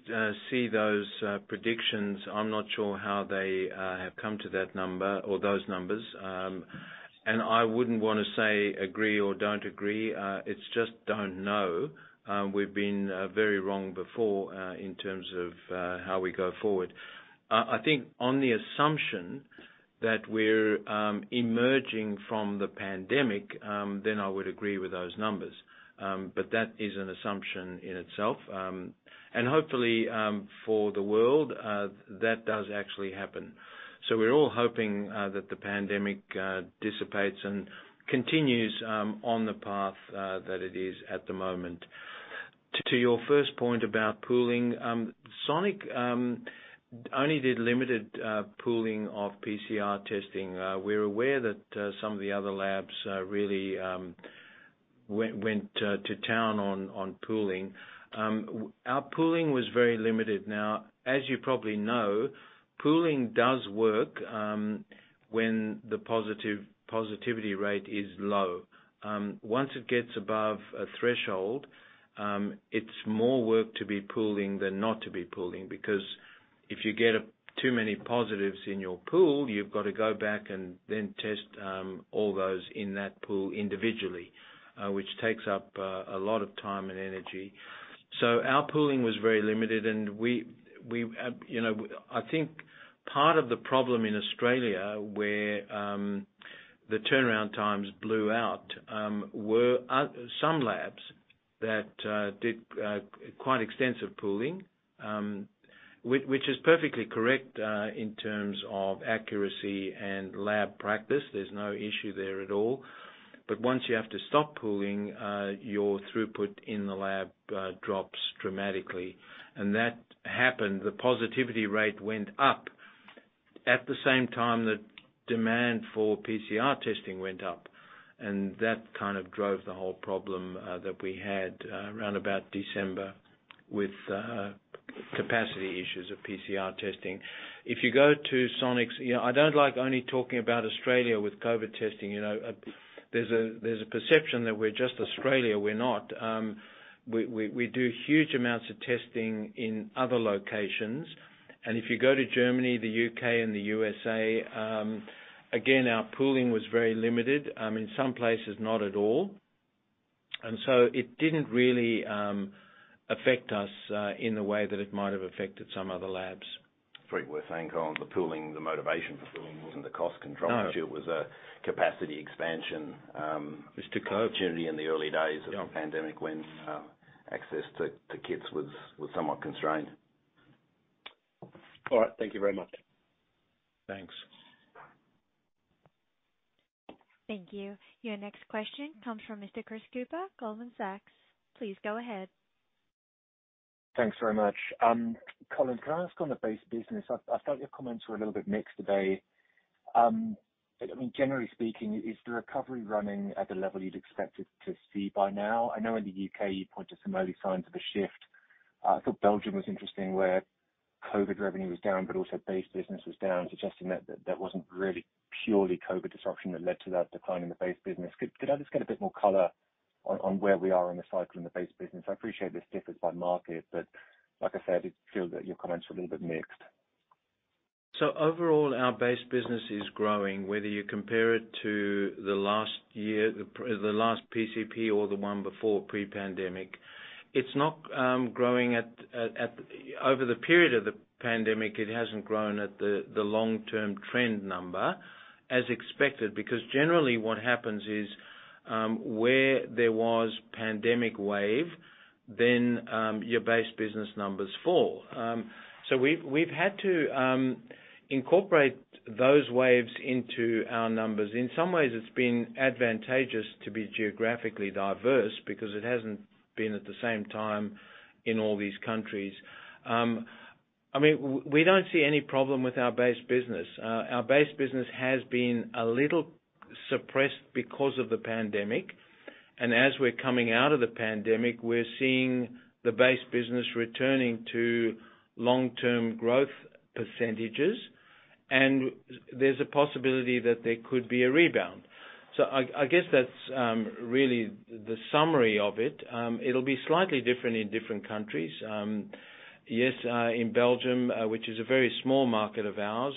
see those predictions. I'm not sure how they have come to that number or those numbers. I wouldn't wanna say agree or don't agree. It's just don't know. We've been very wrong before in terms of how we go forward. I think on the assumption that we're emerging from the pandemic, then I would agree with those numbers. That is an assumption in itself. Hopefully for the world that does actually happen. We're all hoping that the pandemic dissipates and continues on the path that it is at the moment. To your first point about pooling, Sonic only did limited pooling of PCR testing. We're aware that some of the other labs really went to town on pooling. Our pooling was very limited. Now, as you probably know, pooling does work when the positive positivity rate is low. Once it gets above a threshold, it's more work to be pooling than not to be pooling. Because if you get too many positives in your pool, you've got to go back and then test all those in that pool individually, which takes up a lot of time and energy. So our pooling was very limited. We, you know, I think part of the problem in Australia, where the turnaround times blew out, were some labs that did quite extensive pooling. Which is perfectly correct, in terms of accuracy and lab practice. There's no issue there at all. But once you have to stop pooling, your throughput in the lab drops dramatically. That happened. The positivity rate went up at the same time that demand for PCR testing went up, and that kind of drove the whole problem that we had around about December with capacity issues of PCR testing. If you go to Sonic's, you know, I don't like only talking about Australia with COVID testing. You know, there's a perception that we're just Australia. We're not. We do huge amounts of testing in other locations. If you go to Germany, the U.K. and the U.S.A., again, our pooling was very limited. In some places not at all. It didn't really affect us in the way that it might have affected some other labs. It's very worth saying, Colin, the pooling, the motivation for pooling wasn't the cost control issue. No. It was a capacity expansion. It was to curb opportunity in the early days. Yeah. of the pandemic when access to kits was somewhat constrained. All right. Thank you very much. Thanks. Thank you. Your next question comes from Mr. Chris Cooper, Goldman Sachs. Please go ahead. Thanks very much. Colin, can I ask on the base business, I felt your comments were a little bit mixed today. I mean, generally speaking, is the recovery running at the level you'd expect it to see by now? I know in the U.K. you point to some early signs of a shift. I thought Belgium was interesting, where COVID revenue was down, but also base business was down, suggesting that that wasn't really purely COVID disruption that led to that decline in the base business. Could I just get a bit more color on where we are in the cycle in the base business? I appreciate this differs by market, but like I said, it feels that your comments were a little bit mixed. Overall, our base business is growing. Whether you compare it to the last year, the last PCP or the one before pre-pandemic, it's not growing at. Over the period of the pandemic, it hasn't grown at the long-term trend number as expected. Because generally what happens is, where there was pandemic wave, then, your base business numbers fall. We've had to incorporate those waves into our numbers. In some ways, it's been advantageous to be geographically diverse because it hasn't been at the same time in all these countries. I mean, we don't see any problem with our base business. Our base business has been a little suppressed because of the pandemic, and as we're coming out of the pandemic, we're seeing the base business returning to long-term growth percentages, and there's a possibility that there could be a rebound. I guess that's really the summary of it. It'll be slightly different in different countries. Yes, in Belgium, which is a very small market of ours,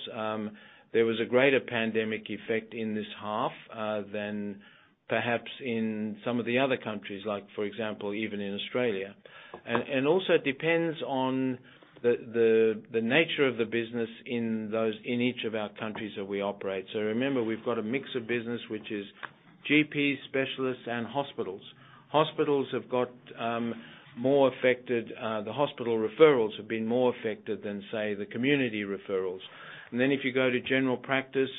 there was a greater pandemic effect in this half than perhaps in some of the other countries, like for example, even in Australia. Also it depends on the nature of the business in each of our countries that we operate. Remember, we've got a mix of business which is GPs, specialists and hospitals. Hospitals have got more affected. The hospital referrals have been more affected than, say, the community referrals. If you go to general practice,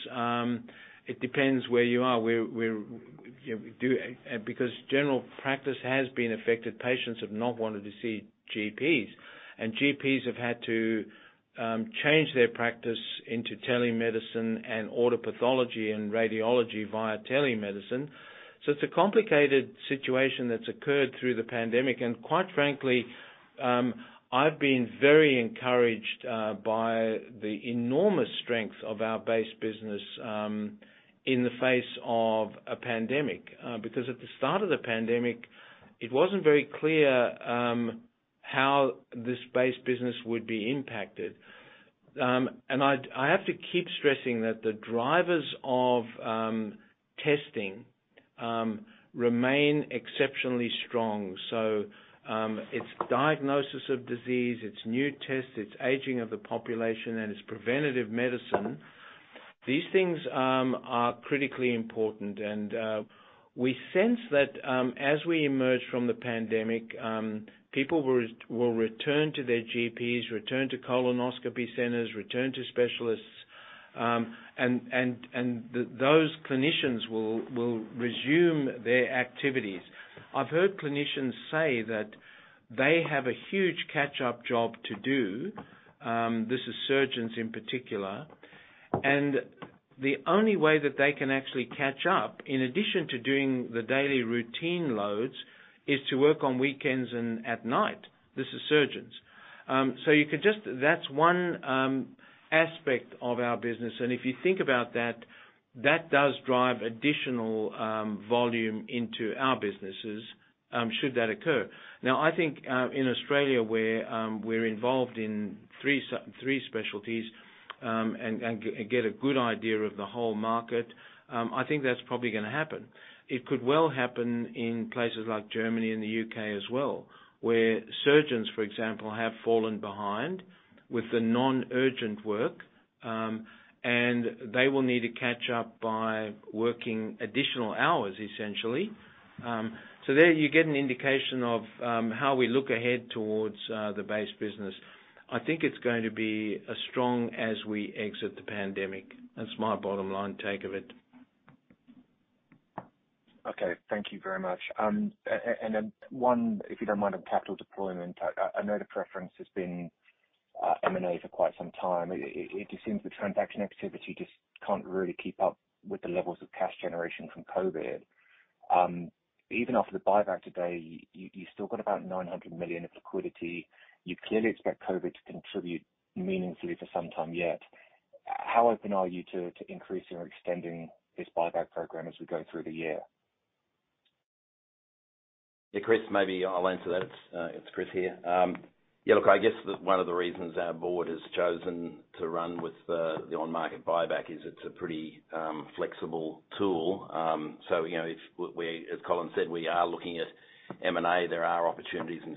it depends where you are. Because general practice has been affected, patients have not wanted to see GPs, and GPs have had to change their practice into telemedicine and order pathology and radiology via telemedicine. It's a complicated situation that's occurred through the pandemic. Quite frankly, I've been very encouraged by the enormous strength of our base business in the face of a pandemic. Because at the start of the pandemic, it wasn't very clear how this base business would be impacted. I have to keep stressing that the drivers of testing remain exceptionally strong. It's diagnosis of disease, it's new tests, it's aging of the population, and it's preventative medicine. These things are critically important. We sense that, as we emerge from the pandemic, people will return to their GPs, return to colonoscopy centers, return to specialists. Those clinicians will resume their activities. I've heard clinicians say that they have a huge catch-up job to do, this is surgeons in particular. The only way that they can actually catch up, in addition to doing the daily routine loads, is to work on weekends and at night. This is surgeons. That's one aspect of our business. If you think about that does drive additional volume into our businesses, should that occur. Now, I think in Australia, where we're involved in three specialties and get a good idea of the whole market, I think that's probably gonna happen. It could well happen in places like Germany and the U.K. as well, where surgeons, for example, have fallen behind with the non-urgent work, and they will need to catch up by working additional hours, essentially. There you get an indication of how we look ahead towards the base business. I think it's going to be as strong as we exit the pandemic. That's my bottom line take of it. Okay. Thank you very much. One, if you don't mind, on capital deployment. I know the preference has been M&A for quite some time. It just seems the transaction activity just can't really keep up with the levels of cash generation from COVID. Even after the buyback today, you still got about 900 million of liquidity. You clearly expect COVID to contribute meaningfully for some time yet. How open are you to increasing or extending this buyback program as we go through the year? Yeah, Chris, maybe I'll answer that. It's Chris here. Yeah, look, I guess one of the reasons our board has chosen to run with the on-market buyback is it's a pretty flexible tool. You know, as Colin said, we are looking at M&A. There are opportunities and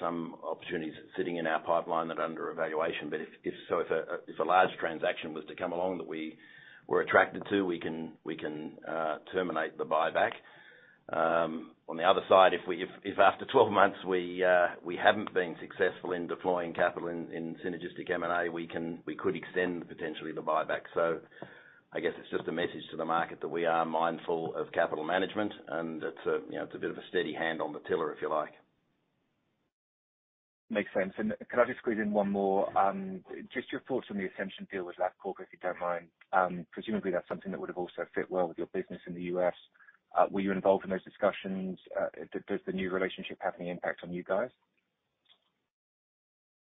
some opportunities sitting in our pipeline that are under evaluation. If a large transaction was to come along that we were attracted to, we can terminate the buyback. On the other side, if after 12 months we haven't been successful in deploying capital in synergistic M&A, we could extend potentially the buyback. I guess it's just a message to the market that we are mindful of capital management, and you know, it's a bit of a steady hand on the tiller, if you like. Makes sense. Could I just squeeze in one more? Just your thoughts on the Ascension deal with Labcorp, if you don't mind. Presumably that's something that would have also fit well with your business in the U.S. Were you involved in those discussions? Does the new relationship have any impact on you guys?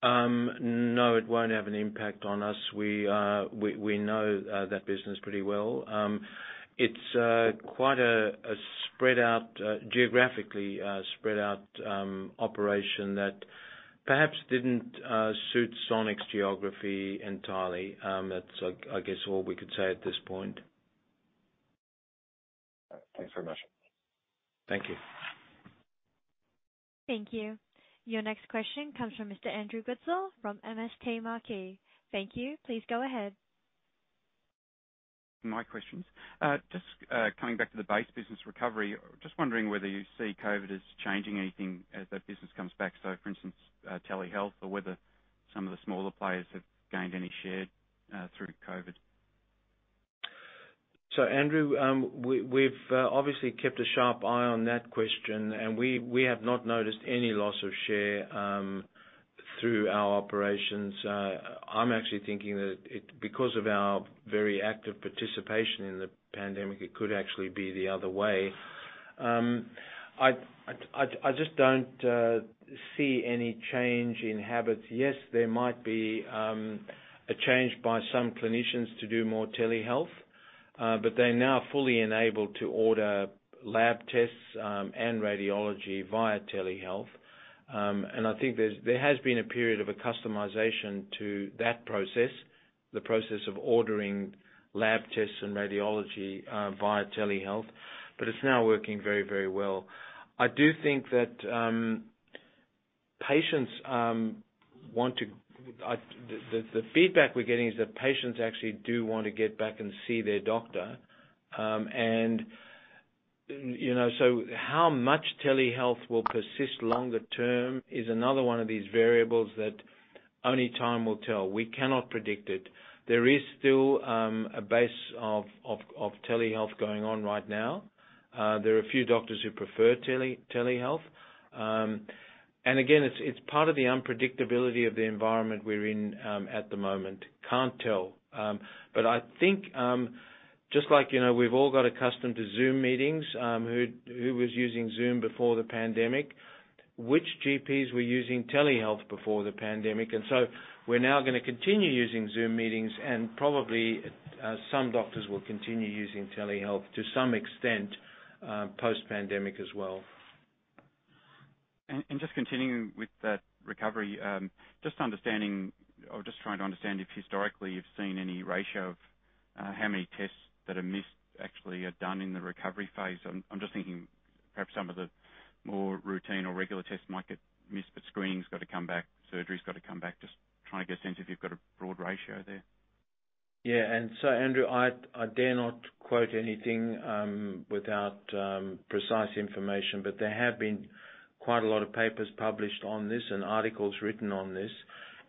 No, it won't have an impact on us. We know that business pretty well. It's quite a spread out, geographically, spread out operation that perhaps didn't suit Sonic's geography entirely. That's, I guess all we could say at this point. All right. Thanks very much. Thank you. Thank you. Your next question comes from Mr. Andrew Goodsall from MST Marquee. Thank you. Please go ahead. My questions. Just coming back to the base business recovery, just wondering whether you see COVID as changing anything as that business comes back. For instance, telehealth or whether some of the smaller players have gained any share through COVID. Andrew, we've obviously kept a sharp eye on that question, and we have not noticed any loss of share through our operations. I'm actually thinking that because of our very active participation in the pandemic, it could actually be the other way. I just don't see any change in habits. Yes, there might be a change by some clinicians to do more telehealth, but they're now fully enabled to order lab tests and radiology via telehealth. I think there has been a period of acclimatization to that process, the process of ordering lab tests and radiology via telehealth, but it's now working very, very well. I do think that patients want to. The feedback we're getting is that patients actually do want to get back and see their doctor. You know, how much telehealth will persist longer term is another one of these variables that only time will tell. We cannot predict it. There is still a base of telehealth going on right now. There are a few doctors who prefer telehealth. Again, it's part of the unpredictability of the environment we're in at the moment. Can't tell. I think just like you know we've all got accustomed to Zoom meetings, who was using Zoom before the pandemic, which GPs were using telehealth before the pandemic, we're now gonna continue using Zoom meetings, and probably some doctors will continue using telehealth to some extent post-pandemic as well. Just continuing with that recovery, just understanding or just trying to understand if historically you've seen any ratio of how many tests that are missed actually are done in the recovery phase. I'm just thinking perhaps some of the more routine or regular tests might get missed, but screening's got to come back, surgery's got to come back. Just trying to get a sense if you've got a broad ratio there. Yeah, Andrew, I dare not quote anything without precise information, but there have been quite a lot of papers published on this and articles written on this.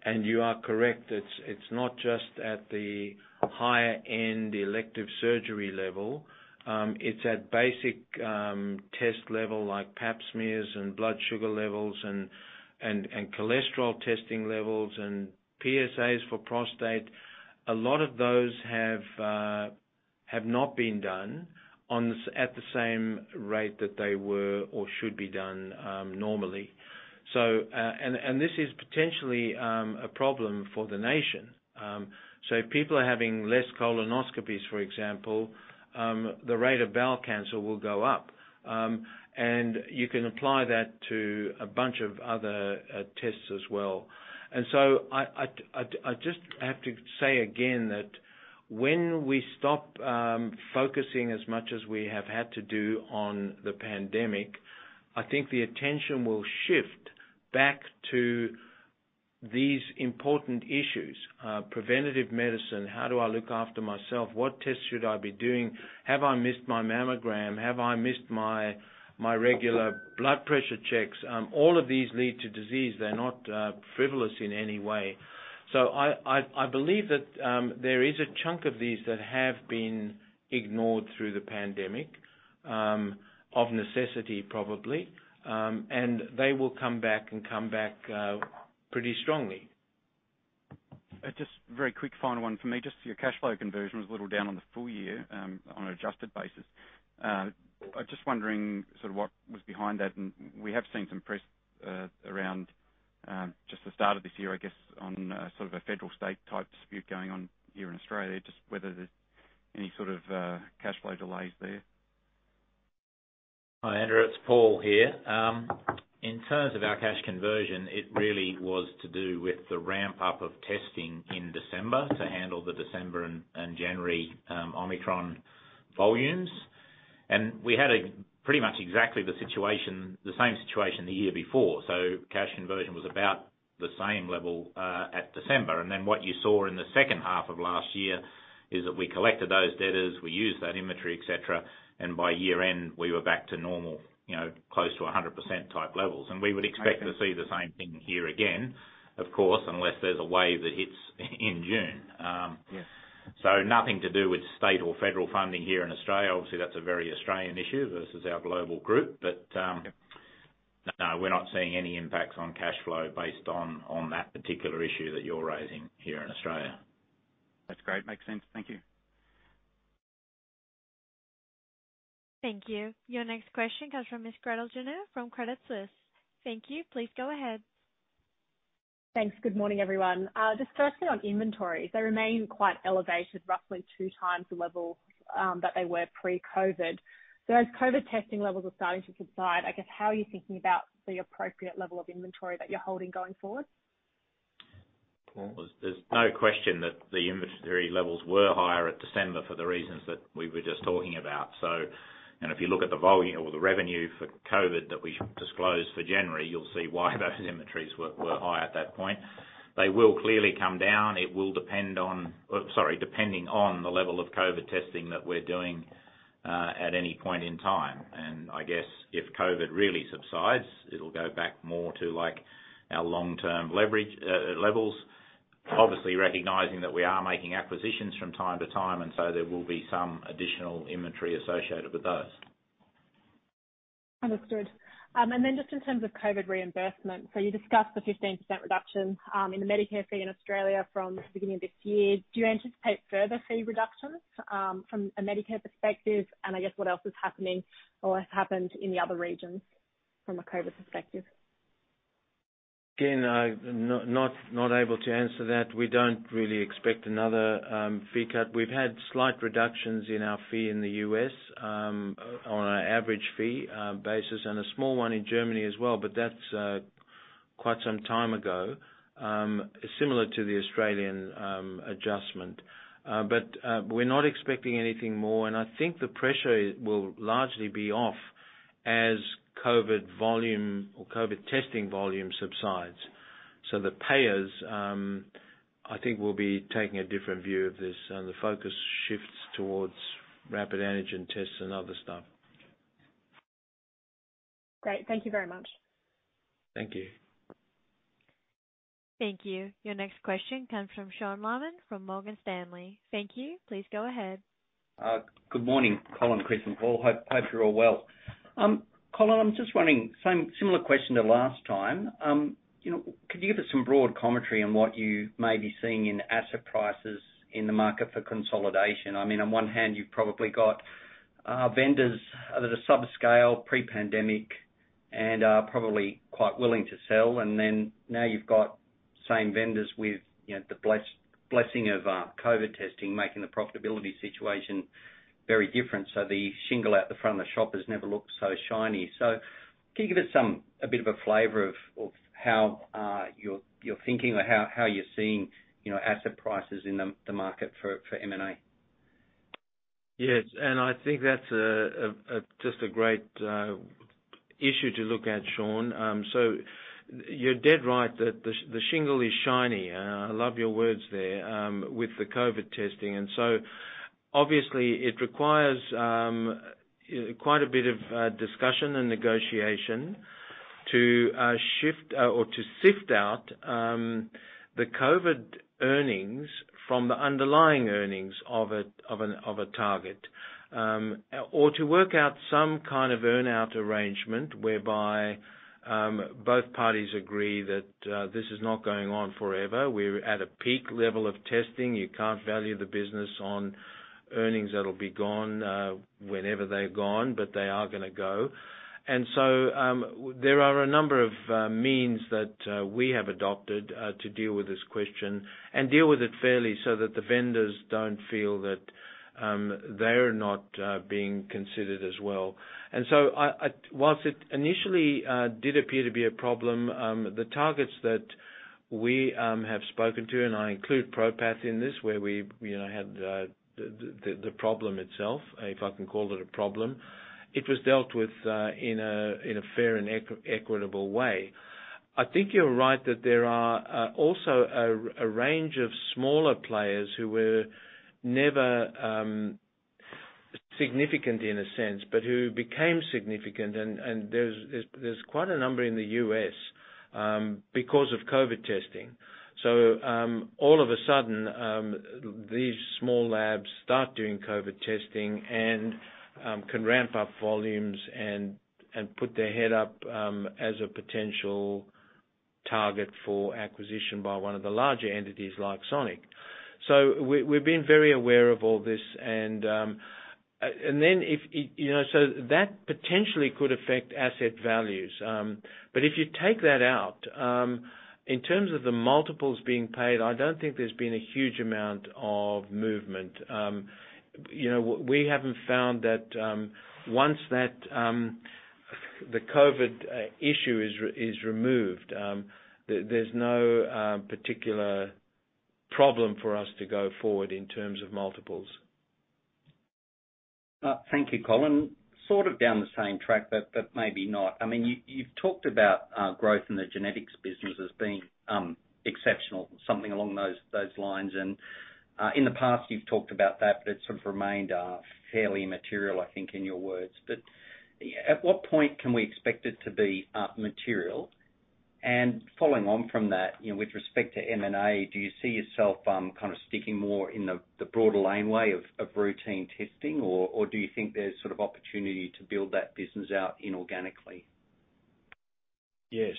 You are correct. It's not just at the higher end elective surgery level. It's at basic test level, like Pap smears and blood sugar levels and cholesterol testing levels and PSAs for prostate. A lot of those have not been done at the same rate that they were or should be done normally. This is potentially a problem for the nation. If people are having less colonoscopies, for example, the rate of bowel cancer will go up. You can apply that to a bunch of other tests as well. I just have to say again that when we stop focusing as much as we have had to do on the pandemic, I think the attention will shift back to these important issues. Preventative medicine, how do I look after myself? What tests should I be doing? Have I missed my mammogram? Have I missed my regular blood pressure checks? All of these lead to disease. They're not frivolous in any way. I believe that there is a chunk of these that have been ignored through the pandemic of necessity, probably. They will come back pretty strongly. Just very quick final one for me. Just your cash flow conversion was a little down on the full year, on an adjusted basis. I'm just wondering sort of what was behind that, and we have seen some press around just the start of this year, I guess, on sort of a federal state type dispute going on here in Australia, just whether there's any sort of cash flow delays there. Hi, Andrew, it's Paul here. In terms of our cash conversion, it really was to do with the ramp up of testing in December to handle the December and January Omicron volumes. We had pretty much exactly the same situation the year before. Cash conversion was about the same level at December. Then what you saw in the H2 of last year is that we collected those debtors, we used that inventory, et cetera, and by year end, we were back to normal, you know, close to 100% type levels. Okay. We would expect to see the same thing here again, of course, unless there's a wave that hits in June. Yes. Nothing to do with state or federal funding here in Australia. Obviously, that's a very Australian issue versus our global group. Yeah. No, we're not seeing any impacts on cash flow based on that particular issue that you're raising here in Australia. That's great. Makes sense. Thank you. Thank you. Your next question comes from Miss Gretel Janu from Credit Suisse. Thank you. Please go ahead. Thanks. Good morning, everyone. Just firstly on inventories, they remain quite elevated, roughly two times the level that they were pre-COVID. As COVID testing levels are starting to subside, I guess how are you thinking about the appropriate level of inventory that you're holding going forward? Paul? There's no question that the inventory levels were higher at December for the reasons that we were just talking about. If you look at the volume or the revenue for COVID that we disclosed for January, you'll see why those inventories were high at that point. They will clearly come down. It will depend on the level of COVID testing that we're doing at any point in time. I guess if COVID really subsides, it'll go back more to, like, our long-term leverage levels. Obviously, recognizing that we are making acquisitions from time to time, and so there will be some additional inventory associated with those. Understood. Just in terms of COVID reimbursement, so you discussed the 15% reduction in the Medicare fee in Australia from the beginning of this year. Do you anticipate further fee reductions from a Medicare perspective? I guess what else is happening or has happened in the other regions from a COVID perspective? Again, I'm not able to answer that. We don't really expect another fee cut. We've had slight reductions in our fee in the U.S., on an average fee basis, and a small one in Germany as well, but that's quite some time ago, similar to the Australian adjustment. We're not expecting anything more. I think the pressure will largely be off as COVID volume or COVID testing volume subsides. The payers, I think, will be taking a different view of this, and the focus shifts towards rapid antigen tests and other stuff. Great. Thank you very much. Thank you. Thank you. Your next question comes from Sean Laaman from Morgan Stanley. Thank you. Please go ahead. Good morning, Colin, Chris, and Paul. Hope you're all well. Colin, I'm just wondering, same similar question to last time. You know, could you give us some broad commentary on what you may be seeing in asset prices in the market for consolidation? I mean, on one hand, you've probably got vendors that are subscale pre-pandemic and are probably quite willing to sell. Then now you've got same vendors with, you know, the blessing of COVID testing, making the profitability situation very different. So, the shingle out the front of the shop has never looked so shiny. So, can you give us some, a bit of a flavor of how you're thinking or how you're seeing, you know, asset prices in the market for M&A? Yes. I think that's just a great issue to look at, Sean. You're dead right that the shingle is shiny. I love your words there with the COVID testing. Obviously, it requires quite a bit of discussion and negotiation to shift or to sift out the COVID earnings from the underlying earnings of a target. Or to work out some kind of earn-out arrangement whereby both parties agree that this is not going on forever. We're at a peak level of testing. You can't value the business on earnings that'll be gone whenever they're gone, but they are gonna go. There are a number of means that we have adopted to deal with this question and deal with it fairly so that the vendors don't feel that they're not being considered as well. While it initially did appear to be a problem, the targets that we have spoken to, and I include ProPath in this, where we, you know, had the problem itself, if I can call it a problem, it was dealt with in a fair and equitable way. I think you're right that there are also a range of smaller players who were never significant in a sense, but who became significant. There's quite a number in the U.S. because of COVID testing. All of a sudden, these small labs start doing COVID testing and can ramp up volumes and put their head up as a potential target for acquisition by one of the larger entities like Sonic. We've been very aware of all this and then if, you know, so that potentially could affect asset values. If you take that out, in terms of the multiples being paid, I don't think there's been a huge amount of movement. You know, we haven't found that once that the COVID issue is removed, there's no particular problem for us to go forward in terms of multiples. Thank you, Colin. Sort of down the same track, but maybe not. I mean, you've talked about growth in the genetics business as being exceptional, something along those lines. In the past, you've talked about that, but it's sort of remained fairly immaterial, I think, in your words. At what point can we expect it to be material? Following on from that, you know, with respect to M&A, do you see yourself kind of sticking more in the broader laneway of routine testing? Or do you think there's sort of opportunity to build that business out inorganically? Yes.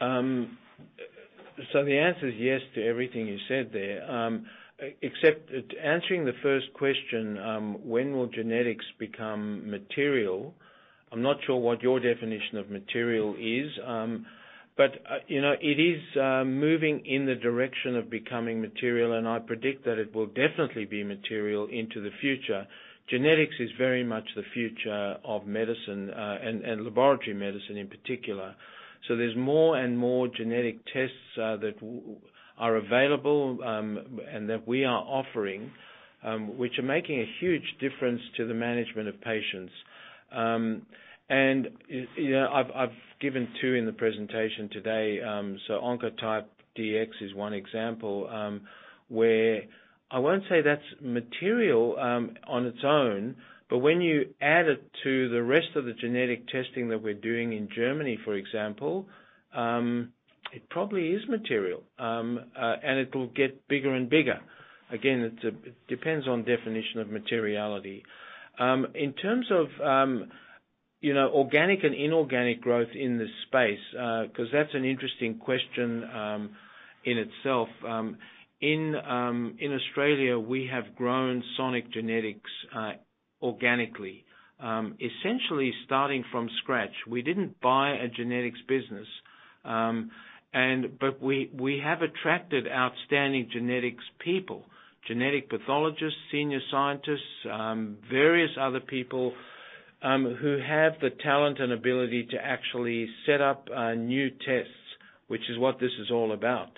So, the answer is yes to everything you said there, except answering the first question, when will genetics become material? I'm not sure what your definition of material is. But you know, it is moving in the direction of becoming material, and I predict that it will definitely be material into the future. Genetics is very much the future of medicine, and laboratory medicine in particular. There's more and more genetic tests that are available, and that we are offering, which are making a huge difference to the management of patients. You know, I've given two in the presentation today. Oncotype DX is one example where I won't say that's material on its own, but when you add it to the rest of the genetic testing that we're doing in Germany, for example, it probably is material. It will get bigger and bigger. Again, it depends on definition of materiality. In terms of you know, organic and inorganic growth in this space, cause that's an interesting question in itself. In Australia, we have grown Sonic Genetics organically, essentially starting from scratch. We didn't buy a genetics business, but we have attracted outstanding genetics people, genetic pathologists, senior scientists, various other people who have the talent and ability to actually set up new tests, which is what this is all about.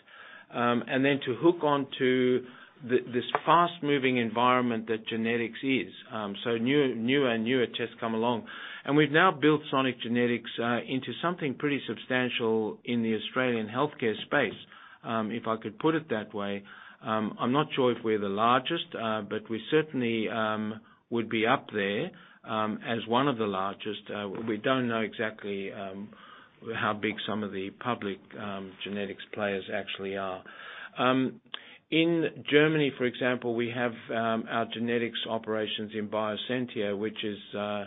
To hook onto this fast-moving environment that genetics is, new, newer and newer tests come along. We've now built Sonic Genetics into something pretty substantial in the Australian healthcare space, if I could put it that way. I'm not sure if we're the largest, but we certainly would be up there, as one of the largest. We don't know exactly how big some of the public genetics players actually are. In Germany, for example, we have our genetics operations in Bioscientia, which is a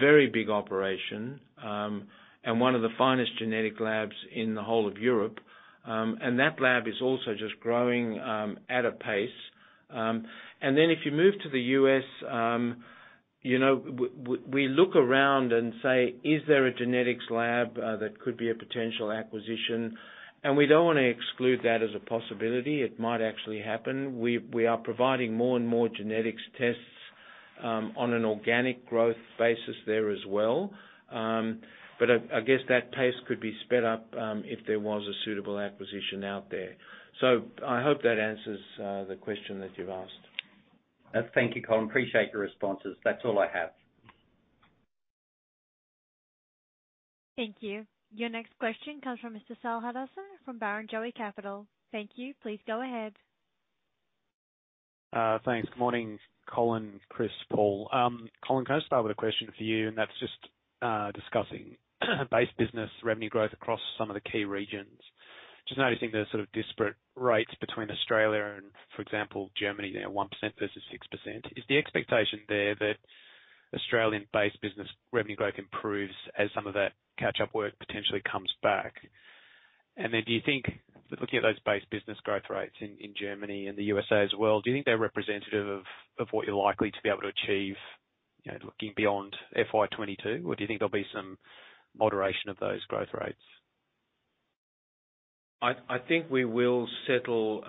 very big operation, and one of the finest genetic labs in the whole of Europe. That lab is also just growing at a pace. If you move to the U.S., you know, we look around and say, "Is there a genetics lab that could be a potential acquisition?" We don't wanna exclude that as a possibility. It might actually happen. We are providing more and more genetics tests on an organic growth basis there as well. I guess that pace could be sped up if there was a suitable acquisition out there. I hope that answers the question that you've asked. Thank you, Colin. Appreciate your responses. That's all I have. Thank you. Your next question comes from Mr. Saul Hadassin from Barrenjoey Capital Partners. Thank you. Please go ahead. Thanks. Good morning, Colin, Chris, Paul. Colin, can I start with a question for you? That's just discussing base business revenue growth across some of the key regions. Just noticing the sort of disparate rates between Australia and, for example, Germany, they are 1% versus 6%. Is the expectation there that Australian base business revenue growth improves as some of that catch-up work potentially comes back? Then do you think, looking at those base business growth rates in Germany and the USA as well, do you think they're representative of what you're likely to be able to achieve, you know, looking beyond FY 2022? Or do you think there'll be some moderation of those growth rates? I think we will settle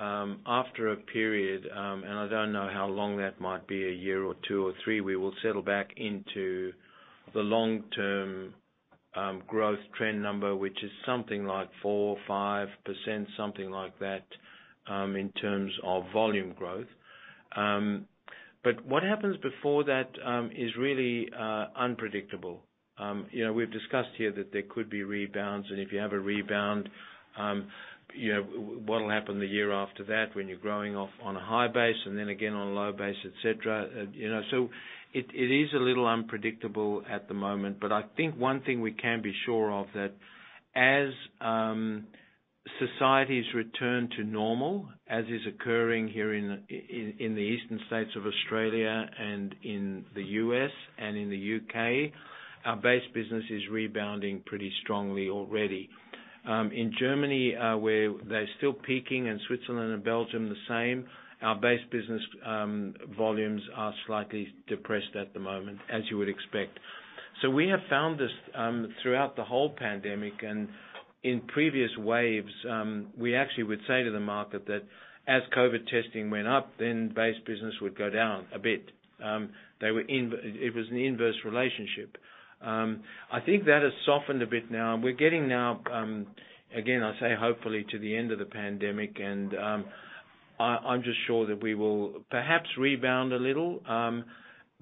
after a period, and I don't know how long that might be, a year or two or three, we will settle back into the long-term growth trend number, which is something like 4% or 5%, something like that, in terms of volume growth. What happens before that is really unpredictable. You know, we've discussed here that there could be rebounds, and if you have a rebound, you know, what'll happen the year after that when you're growing off on a high base and then again on a low base, etc. You know, it is a little unpredictable at the moment. I think one thing we can be sure of, that as societies return to normal, as is occurring here in the eastern states of Australia and in the U.S. and in the U.K., our base business is rebounding pretty strongly already. In Germany, where they're still peaking, in Switzerland and Belgium, the same, our base business volumes are slightly depressed at the moment, as you would expect. We have found this throughout the whole pandemic, and in previous waves, we actually would say to the market that as COVID testing went up, then base business would go down a bit. It was an inverse relationship. I think that has softened a bit now. We're getting now, again, I say hopefully to the end of the pandemic and, I'm just sure that we will perhaps rebound a little,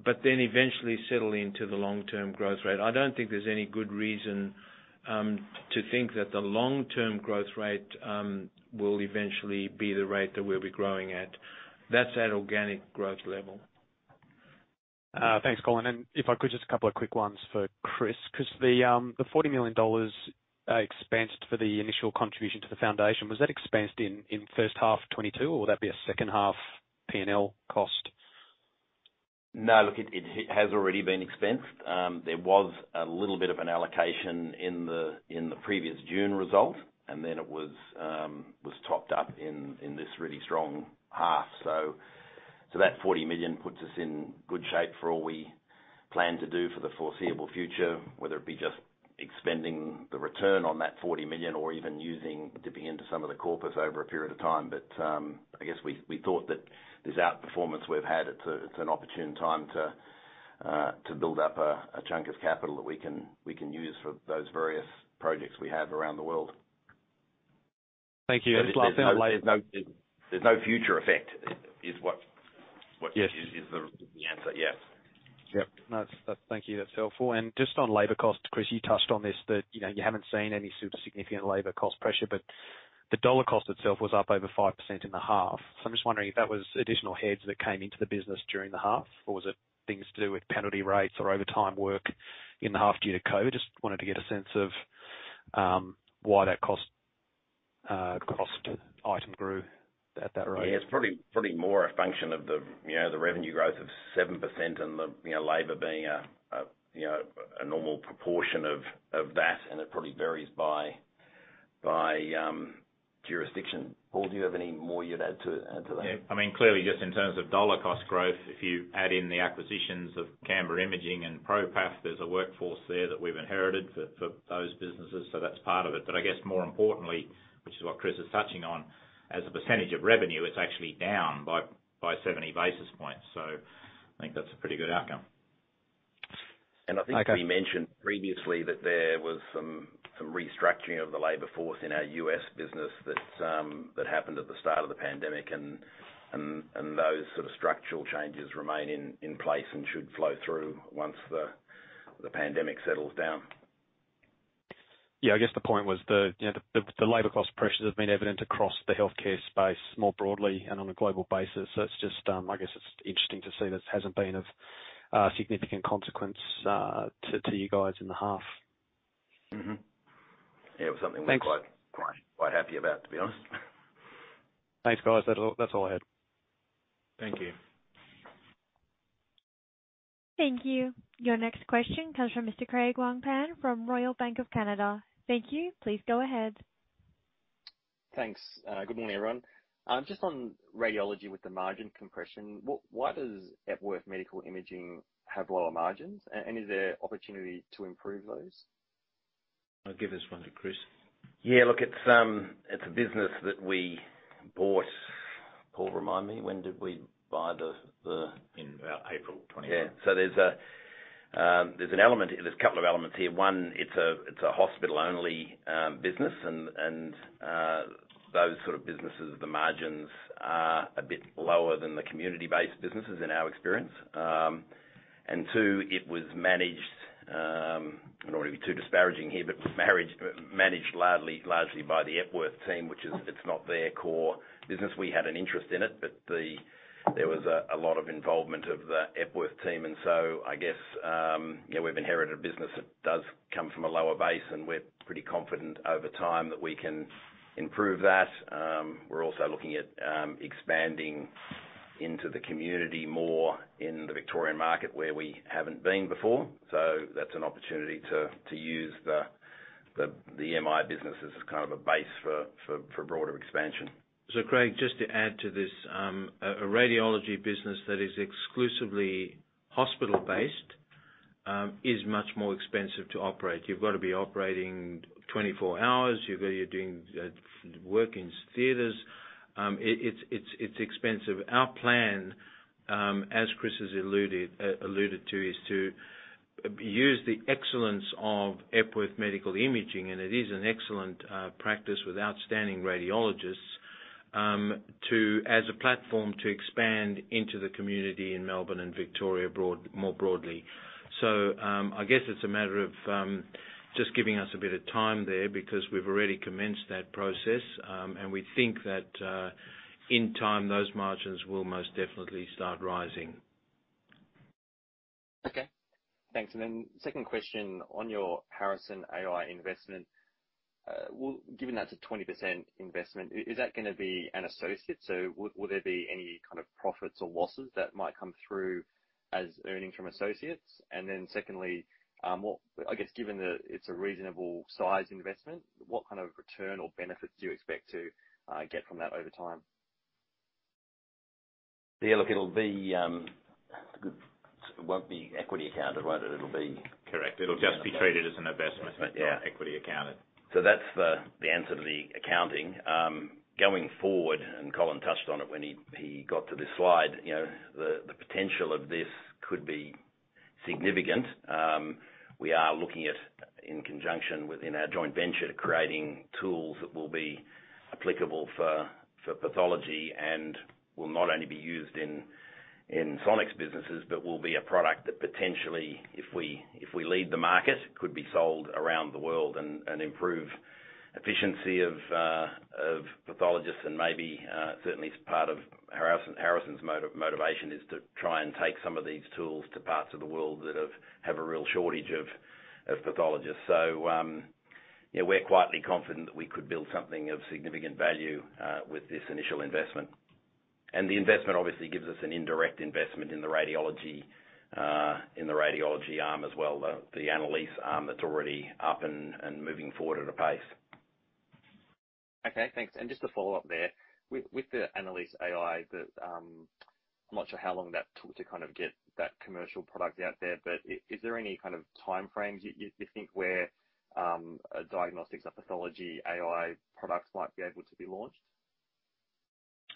but then eventually settle into the long-term growth rate. I don't think there's any good reason, to think that the long-term growth rate, will eventually be the rate that we'll be growing at. That's at organic growth level. Thanks, Colin. If I could, just a couple of quick ones for Chris, cause the 40 million dollars expensed for the initial contribution to the foundation, was that expensed in H1 2022, or would that be a second-half P&L cost? No, look, it has already been expensed. There was a little bit of an allocation in the previous June result, and then it was topped up in this really strong half. That 40 million puts us in good shape for all we plan to do for the foreseeable future, whether it be just expending the return on that 40 million or even using, dipping into some of the corpus over a period of time. I guess we thought that this outperformance we've had. It's an opportune time to build up a chunk of capital that we can use for those various projects we have around the world. Thank you. Just last thing. There's no future effect is what Yes is the answer. Yes. Yep. No, that's. Thank you. That's helpful. Just on labor costs, Chris, you touched on this, you know, you haven't seen any super significant labor cost pressure, but the labor cost itself was up over 5% in the half. I'm just wondering if that was additional heads that came into the business during the half, or was it things to do with penalty rates or overtime work in the half due to COVID. Just wanted to get a sense of why that cost item grew at that rate. Yeah. It's probably more a function of the, you know, the revenue growth of 7% and the, you know, labor being, you know, a normal proportion of that, and it probably varies by jurisdiction. Paul, do you have any more you'd add to that? Yeah. I mean, clearly just in terms of dollar cost growth, if you add in the acquisitions of Canberra Imaging and ProPath, there's a workforce there that we've inherited for those businesses, so that's part of it. But I guess more importantly, which is what Chris is touching on, as a percentage of revenue, it's actually down by 70 basis points. I think that's a pretty good outcome. Okay. I think we mentioned previously that there was some restructuring of the labor force in our U.S. business that happened at the start of the pandemic and those sort of structural changes remain in place and should flow through once the pandemic settles down. Yeah, I guess the point was, you know, the labor cost pressures have been evident across the healthcare space more broadly and on a global basis. It's just, I guess it's interesting to see this hasn't been of significant consequence to you guys in the half. Yeah. Thanks .we're quite happy about, to be honest. Thanks, guys. That's all I had. Thank you. Thank you. Your next question comes from Mr. Craig Wong-Pan from Royal Bank of Canada. Thank you. Please go ahead. Thanks. Good morning, everyone. Just on radiology with the margin compression, why does Epworth Medical Imaging have lower margins? Is there opportunity to improve those? I'll give this one to Chris. Yeah. Look, it's a business that we bought. Paul, remind me, when did we buy the In about April 20. There's a couple of elements here. One, it's a hospital-only business and those sort of businesses, the margins are a bit lower than the community-based businesses in our experience. Two, it was managed. I don't wanna be too disparaging here, but managed largely by the Epworth team, which is not their core business. We had an interest in it, but there was a lot of involvement of the Epworth team. I guess, you know, we've inherited a business that does come from a lower base, and we're pretty confident over time that we can improve that. We're also looking at expanding into the community more in the Victorian market where we haven't been before. That's an opportunity to use the MI business as kind of a base for broader expansion. Craig, just to add to this, a radiology business that is exclusively hospital-based is much more expensive to operate. You've got to be operating 24 hours. You've got to be doing work in theaters. It's expensive. Our plan, as Chris has alluded to, is to use the excellence of Epworth Medical Imaging, and it is an excellent practice with outstanding radiologists to as a platform to expand into the community in Melbourne and Victoria broadly. I guess it's a matter of just giving us a bit of time there because we've already commenced that process. And we think that in time, those margins will most definitely start rising. Okay. Thanks. Second question on your Harrison.ai investment. Given that's a 20% investment, is that gonna be an associate? Will there be any kind of profits or losses that might come through as earnings from associates? Secondly, what I guess given that it's a reasonable size investment, what kind of return or benefits do you expect to get from that over time? Yeah, look, it'll be, it won't be equity accounted, right? It'll be Correct. It'll just be treated as an investment, but yeah, equity accounted. That's the answer to the accounting. Going forward, Colin touched on it when he got to this slide, you know, the potential of this could be significant. We are looking at in conjunction with our joint venture creating tools that will be applicable for pathology and will not only be used in Sonic's businesses, but will be a product that potentially if we lead the market could be sold around the world and improve efficiency of pathologists and maybe certainly as part of Harrison's motivation is to try and take some of these tools to parts of the world that have a real shortage of pathologists. We're quietly confident that we could build something of significant value with this initial investment. The investment obviously gives us an indirect investment in the radiology arm as well, the Annalise.ai arm that's already up and moving forward at a pace. Okay. Thanks. Just to follow up there. With the Annalise.ai, I'm not sure how long that took to kind of get that commercial product out there, but is there any kind of time frames you think where a diagnostics, a pathology AI products might be able to be launched?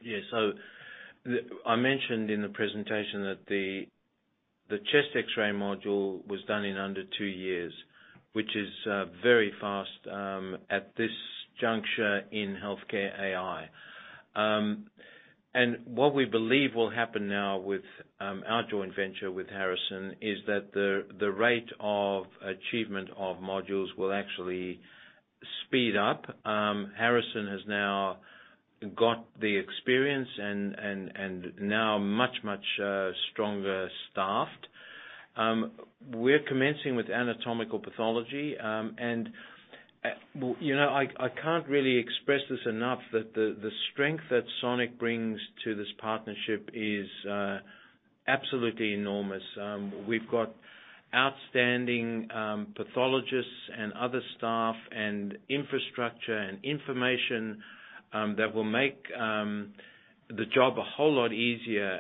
Yeah. I mentioned in the presentation that the chest X-ray module was done in under two years, which is very fast at this juncture in healthcare AI. What we believe will happen now with our joint venture with Harrison is that the rate of achievement of modules will actually speed up. Harrison has now got the experience and now much stronger staffed. We're commencing with anatomical pathology. You know, I can't really express this enough that the strength that Sonic brings to this partnership is absolutely enormous. We've got outstanding pathologists and other staff and infrastructure and information that will make the job a whole lot easier.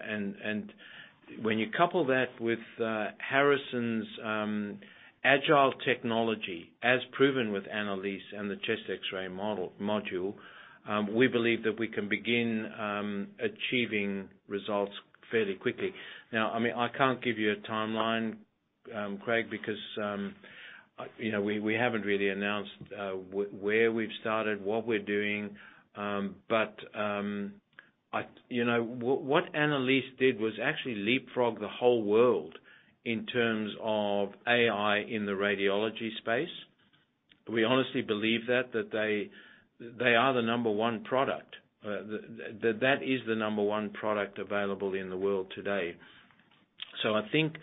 When you couple that with Harrison.ai's agile technology, as proven with Annalise.ai and the chest X-ray module, we believe that we can begin achieving results fairly quickly. Now, I mean, I can't give you a timeline, Craig, because, you know, we haven't really announced where we've started, what we're doing. I, you know, what Annalise.ai did was actually leapfrog the whole world in terms of AI in the radiology space. We honestly believe that they are the number one product. That is the number one product available in the world today. I think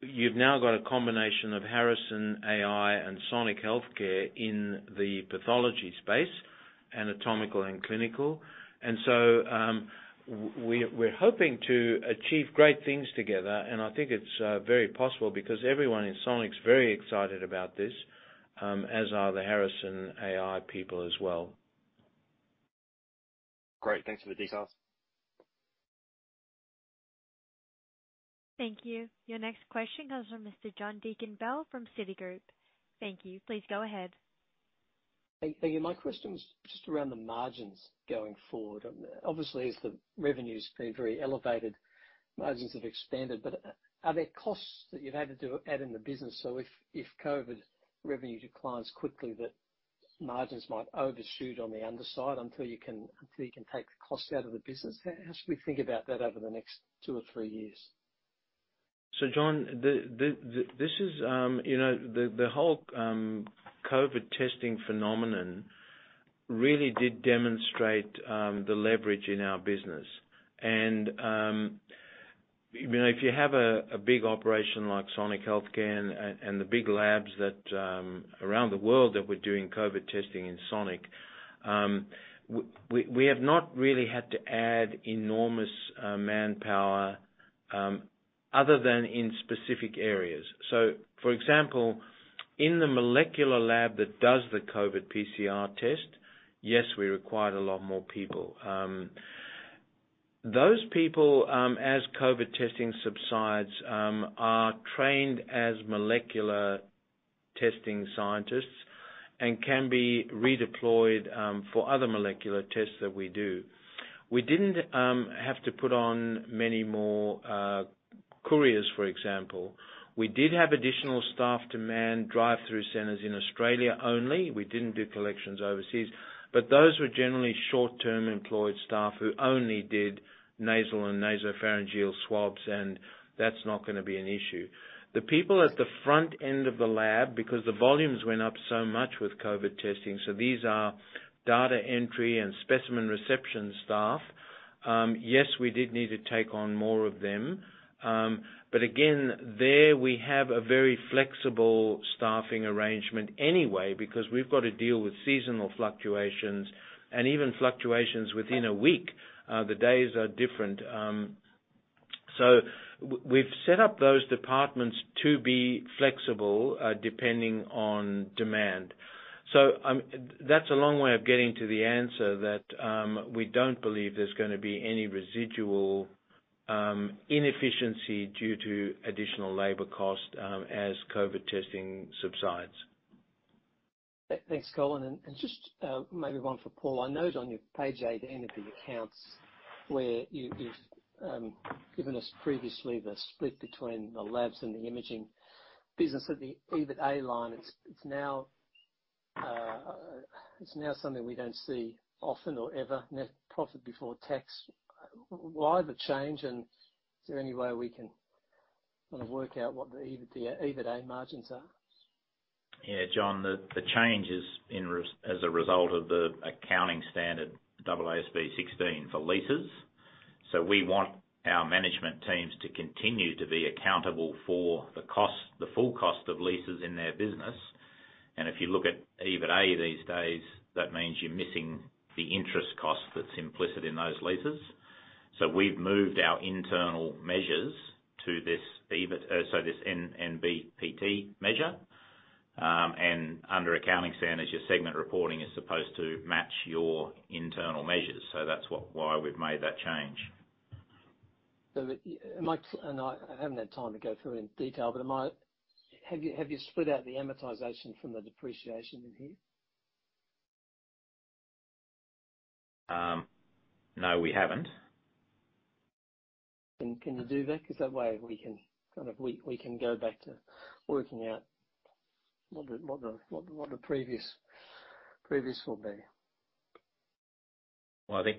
you've now got a combination of Harrison.ai and Sonic Healthcare in the pathology space, anatomical and clinical. We're hoping to achieve great things together, and I think it's very possible because everyone in Sonic's very excited about this, as are the Harrison.ai people as well. Great. Thanks for the details. Thank you. Your next question comes from Mr. John Deakin-Bell from Citigroup. Thank you. Please go ahead. Thank you. My question is just around the margins going forward. Obviously, as the revenue's been very elevated, margins have expanded. Are there costs that you've had to add in the business? If COVID revenue declines quickly, that Margins might overshoot on the underside until you can take the cost out of the business. How should we think about that over the next two or three years? John, you know, the whole COVID testing phenomenon really did demonstrate the leverage in our business. You know, if you have a big operation like Sonic Healthcare and the big labs around the world that were doing COVID testing in Sonic, we have not really had to add enormous manpower other than in specific areas. For example, in the molecular lab that does the COVID PCR test, yes, we required a lot more people. Those people, as COVID testing subsides, are trained as molecular testing scientists and can be redeployed for other molecular tests that we do. We didn't have to put on many more couriers, for example. We did have additional staff to man drive-through centers in Australia only. We didn't do collections overseas. Those were generally short-term employed staff who only did nasal and nasopharyngeal swabs, and that's not gonna be an issue. The people at the front end of the lab, because the volumes went up so much with COVID testing, so these are data entry and specimen reception staff, yes, we did need to take on more of them. Again, there we have a very flexible staffing arrangement anyway because we've got to deal with seasonal fluctuations and even fluctuations within a week, the days are different. We've set up those departments to be flexible, depending on demand. That's a long way of getting to the answer that, we don't believe there's gonna be any residual inefficiency due to additional labor cost, as COVID testing subsides. Thanks, Colin. Just maybe one for Paul. I noticed on your page at the end of the accounts where you've given us previously the split between the labs and the imaging business at the EBITA line. It's now something we don't see often or ever, net profit before tax. Why the change, and is there any way we can kind of work out what the EBITA margins are? Yeah, John, the change is as a result of the accounting standard AASB 16 for leases. We want our management teams to continue to be accountable for the cost, the full cost of leases in their business. If you look at EBITA these days, that means you're missing the interest cost that's implicit in those leases. We've moved our internal measures to this NPBT measure. Under accounting standards, your segment reporting is supposed to match your internal measures. That's why we've made that change. I haven't had time to go through it in detail, but have you split out the amortization from the depreciation in here? No, we haven't. Can you do that? Cause that way we can kind of go back to working out what the previous will be. Well, I think,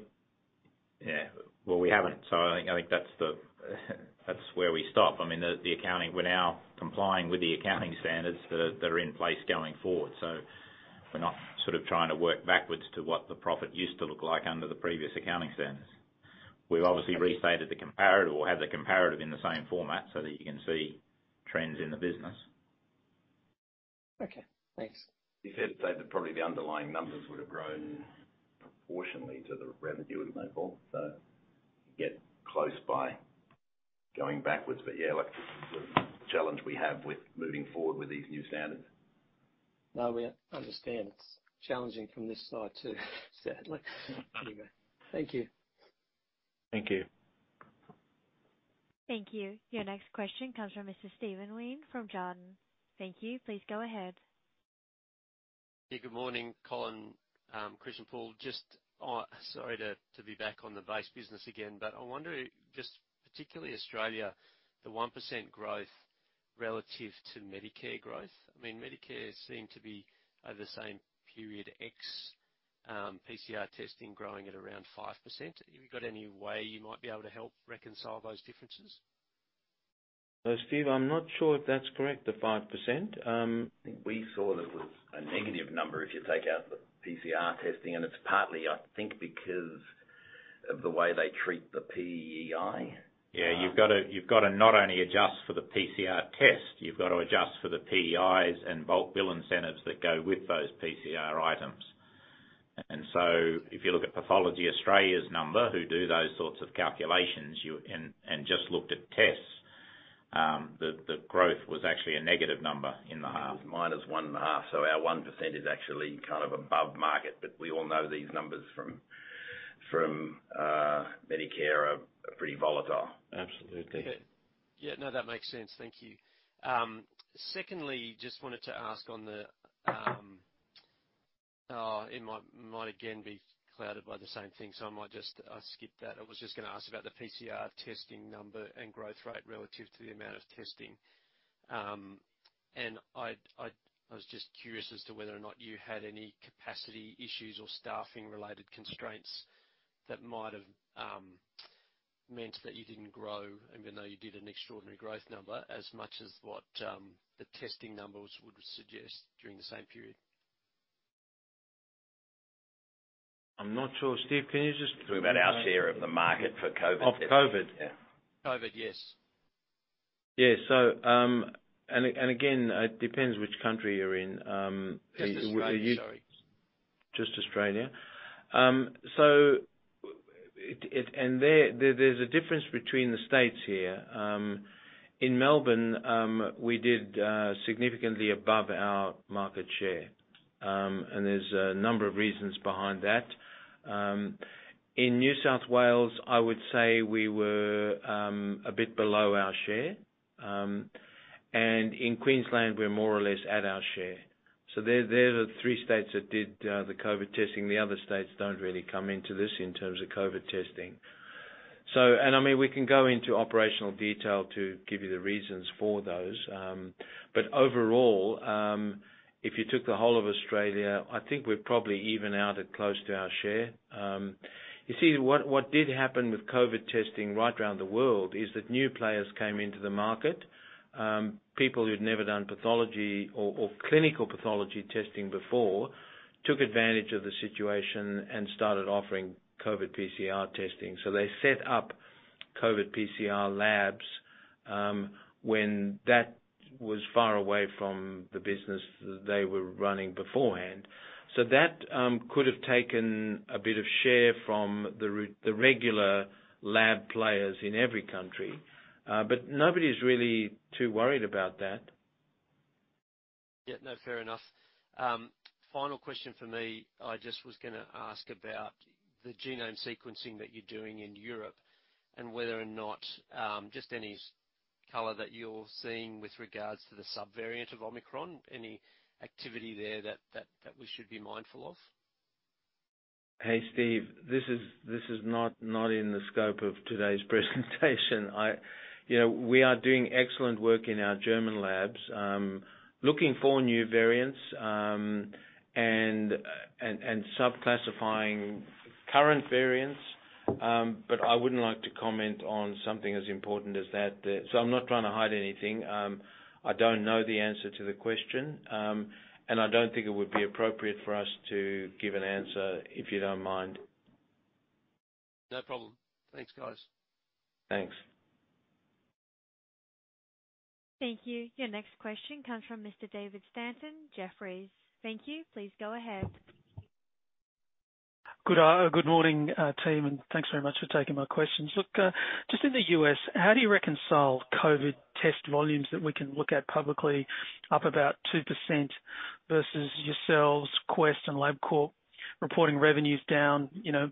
yeah, well, we haven't. I think that's where we stop. I mean, the accounting, we're now complying with the accounting standards that are in place going forward. We're not sort of trying to work backwards to what the profit used to look like under the previous accounting standards. We've obviously restated the comparative or have the comparative in the same format so that you can see trends in the business. Okay, thanks. You said that probably the underlying numbers would have grown proportionally to the revenue at local, so you get close by going backwards. Yeah, that's the challenge we have with moving forward with these new standards. No, we understand. It's challenging from this side too, sadly. Anyway. Thank you. Thank you. Thank you. Your next question comes from Mr. Steven Wheen from Jarden. Thank you. Please go ahead. Hey, good morning, Colin, Chris and Paul. Just sorry to be back on the base business again, but I wonder just particularly Australia, the 1% growth relative to Medicare growth. I mean, Medicare seemed to be over the same period, excluding PCR testing growing at around 5%. Have you got any way you might be able to help reconcile those differences? Steve, I'm not sure if that's correct, the 5%. I think we saw that it was a negative number if you take out the PCR testing, and it's partly, I think, because of the way they treat the PEI. Yeah, you've gotta not only adjust for the PCR test, you've got to adjust for the PEIs and bulk bill incentives that go with those PCR items. If you look at Australian Pathology's number, who do those sorts of calculations and just looked at tests, the growth was actually a negative number in the half, -1.5%, so our 1% is actually kind of above market, but we all know these numbers from Medicare are pretty volatile. Absolutely. Yeah. Yeah, no, that makes sense. Thank you. Secondly, just wanted to ask on the. Oh, it might again be clouded by the same thing, so I might just skip that. I was just gonna ask about the PCR testing number and growth rate relative to the amount of testing, and I'd. I was just curious as to whether or not you had any capacity issues or staffing related constraints that might have meant that you didn't grow, even though you did an extraordinary growth number, as much as what the testing numbers would suggest during the same period. I'm not sure. Steve, can you just- Talking about our share of the market for COVID testing. Of COVID? Yeah. COVID, yes. Yeah. And again, depends which country you're in, you- Just Australia. Sorry. Just Australia. So there's a difference between the states here. In Melbourne, we did significantly above our market share. There's a number of reasons behind that. In New South Wales, I would say we were a bit below our share. In Queensland, we're more or less at our share. So they're the three states that did the COVID testing. The other states don't really come into this in terms of COVID testing. I mean, we can go into operational detail to give you the reasons for those. Overall, if you took the whole of Australia, I think we're probably even out at close to our share. You see, what did happen with COVID testing right around the world is that new players came into the market. People who'd never done pathology or clinical pathology testing before took advantage of the situation and started offering COVID PCR testing. They set up COVID PCR labs when that was far away from the business, they were running beforehand. That could have taken a bit of share from the regular lab players in every country. But nobody's really too worried about that. Yeah. No, fair enough. Final question for me. I just was gonna ask about the genome sequencing that you're doing in Europe and whether or not, just any color that you're seeing with regards to the sub-variant of Omicron, any activity there that we should be mindful of? Hey, Steve, this is not in the scope of today's presentation. You know, we are doing excellent work in our German labs, looking for new variants, and sub-classifying current variants. I wouldn't like to comment on something as important as that. I'm not trying to hide anything. I don't know the answer to the question. I don't think it would be appropriate for us to give an answer, if you don't mind. No problem. Thanks, guys. Thanks. Thank you. Your next question comes from Mr. David Stanton, Jefferies. Thank you. Please go ahead. Good morning, team, and thanks very much for taking my questions. Look, just in the U.S., how do you reconcile COVID test volumes that we can look at publicly up about 2% versus yourselves, Quest and Labcorp, reporting revenues down, you know,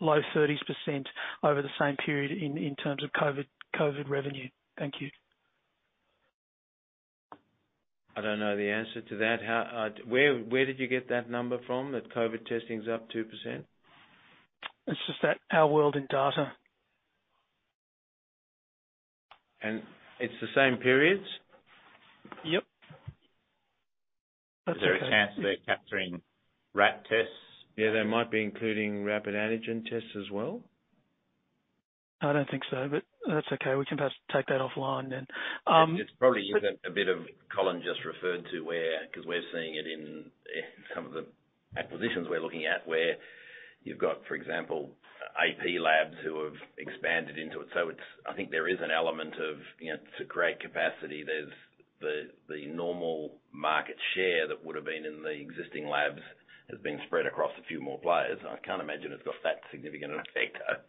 low 30s% over the same period in terms of COVID revenue? Thank you. I don't know the answer to that. Where did you get that number from that COVID testing is up 2%? It's just that Our World in Data. It's the same periods? Yep. That's okay. Is there a chance they're capturing RAT tests? Yeah, they might be including rapid antigen tests as well. I don't think so, but that's okay. We can perhaps take that offline then. It's probably even a bit of what Colin just referred to where because we're seeing it in some of the acquisitions we're looking at, where you've got, for example, AP labs who have expanded into it. I think there is an element of, you know, to create capacity. The normal market share that would have been in the existing labs has been spread across a few more players. I can't imagine it's got that significant effect though.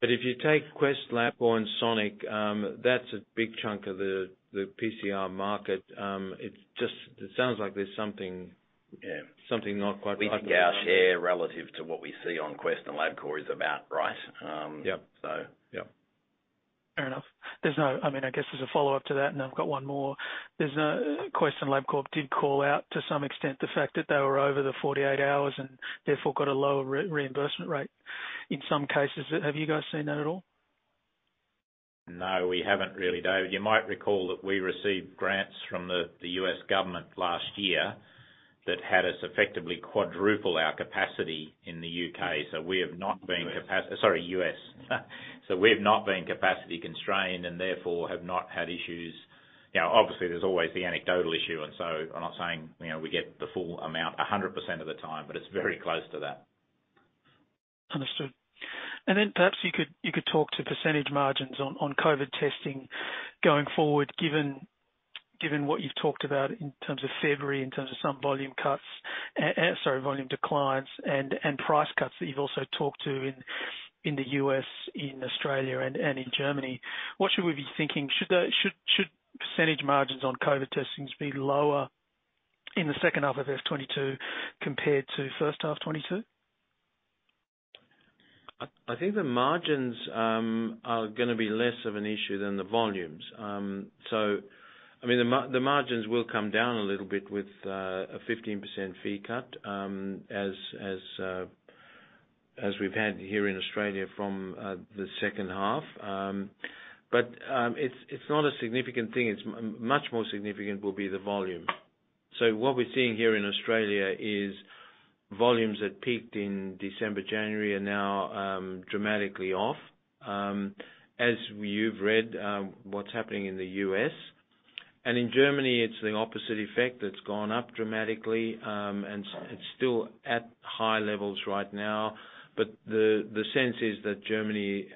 If you take Quest, Labcorp, or Sonic, that's a big chunk of the PCR market. It just sounds like there's something. Yeah. Something not quite right. We think our share relative to what we see on Quest and Labcorp is about right. Yep. So. Yep. Fair enough. I mean, I guess there's a follow-up to that, and I've got one more. Quest and Labcorp did call out to some extent the fact that they were over the 48 hours and therefore got a lower reimbursement rate in some cases. Have you guys seen that at all? No, we haven't really, David. You might recall that we received grants from the U.S. government last year that had us effectively quadruple our capacity in the U.K. We have not been capa US. Sorry, U.S. We've not been capacity constrained and therefore have not had issues. You know, obviously, there's always the anecdotal issue, and so I'm not saying, you know, we get the full amount 100% of the time, but it's very close to that. Understood. Then perhaps you could talk to percentage margins on COVID testing going forward, given what you've talked about in terms of February, in terms of some volume declines and price cuts that you've also talked about in the U.S., in Australia and in Germany. What should we be thinking? Should percentage margins on COVID testing be lower in the H2 of 2022 compared to H1 2022? I think the margins are gonna be less of an issue than the volumes. I mean, the margins will come down a little bit with a 15% fee cut, as we've had here in Australia from the H2. It's not a significant thing. It's much more significant will be the volume. What we're seeing here in Australia is volumes that peaked in December, January, are now dramatically off, as you've read, what's happening in the U.S. In Germany, it's the opposite effect. It's gone up dramatically, and it's still at high levels right now. The sense is that Germany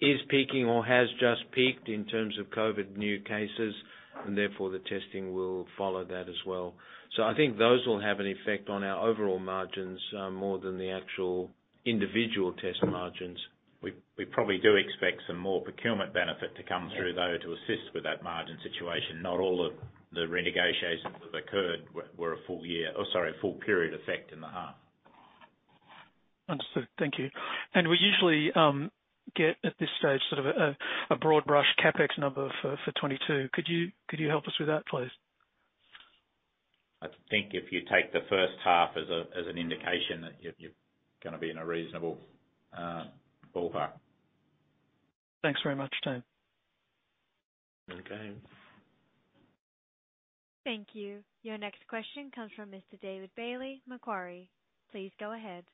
is peaking or has just peaked in terms of COVID new cases, and therefore the testing will follow that as well. I think those will have an effect on our overall margins, more than the actual individual test margins. We probably do expect some more procurement benefit to come through, though, to assist with that margin situation. Not all of the renegotiations that occurred were a full period effect in the half. Understood. Thank you. We usually get at this stage sort of a broad-brush CapEx number for 2022. Could you help us with that, please? I think if you take the H1 as an indication that you're gonna be in a reasonable ballpark. Thanks very much, Tim. Okay. Thank you. Your next question comes from Mr. David Bailey, Macquarie. Please go ahead.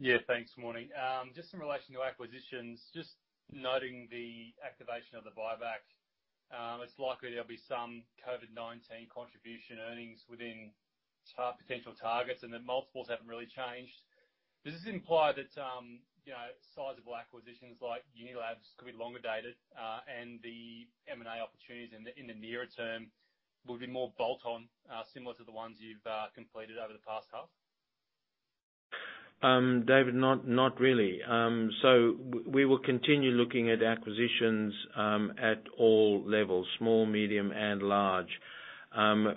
Yeah, thanks. Morning. Just in relation to acquisitions, just noting the activation of the buyback, it's likely there'll be some COVID-19 contribution earnings within potential targets, and the multiples haven't really changed. Does this imply that, you know, sizable acquisitions like Unilabs could be longer dated, and the M&A opportunities in the nearer term will be more bolt on, similar to the ones you've completed over the past half? David, not really. We will continue looking at acquisitions at all levels, small, medium and large. First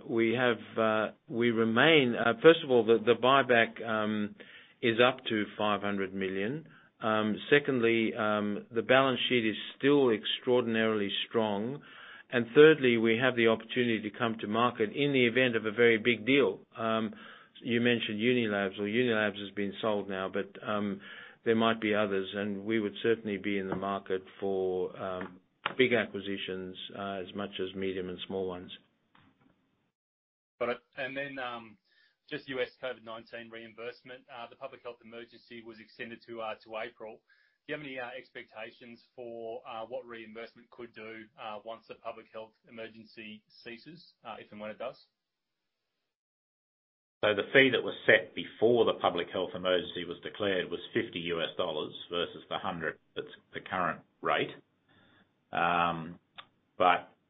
of all, the buyback is up to 500 million. Secondly, the balance sheet is still extraordinarily strong. Thirdly, we have the opportunity to come to market in the event of a very big deal. You mentioned Unilabs. Well, Unilabs has been sold now, but there might be others, and we would certainly be in the market for big acquisitions as much as medium and small ones. Got it. Just U.S. COVID-19 reimbursement. The public health emergency was extended to April. Do you have any expectations for what reimbursement could do once the public health emergency ceases, if and when it does? The fee that was set before the public health emergency was declared was $50 versus the $100 that's the current rate.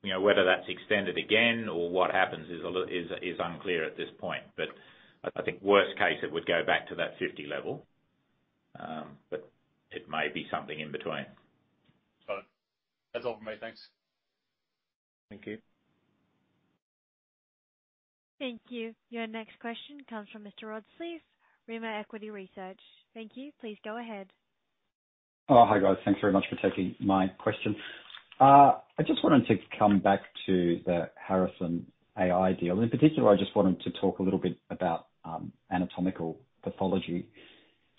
You know whether that's extended again or what happens is a little unclear at this point. I think worst case, it would go back to that $50 level. It may be something in between. Got it. That's all from me. Thanks. Thank you. Thank you. Your next question comes from Mr. Rod Sleath, Rimor Equity Research. Thank you. Please go ahead. Oh, hi, guys. Thanks very much for taking my question. I just wanted to come back to the Harrison.ai deal. In particular, I just wanted to talk a little bit about anatomical pathology.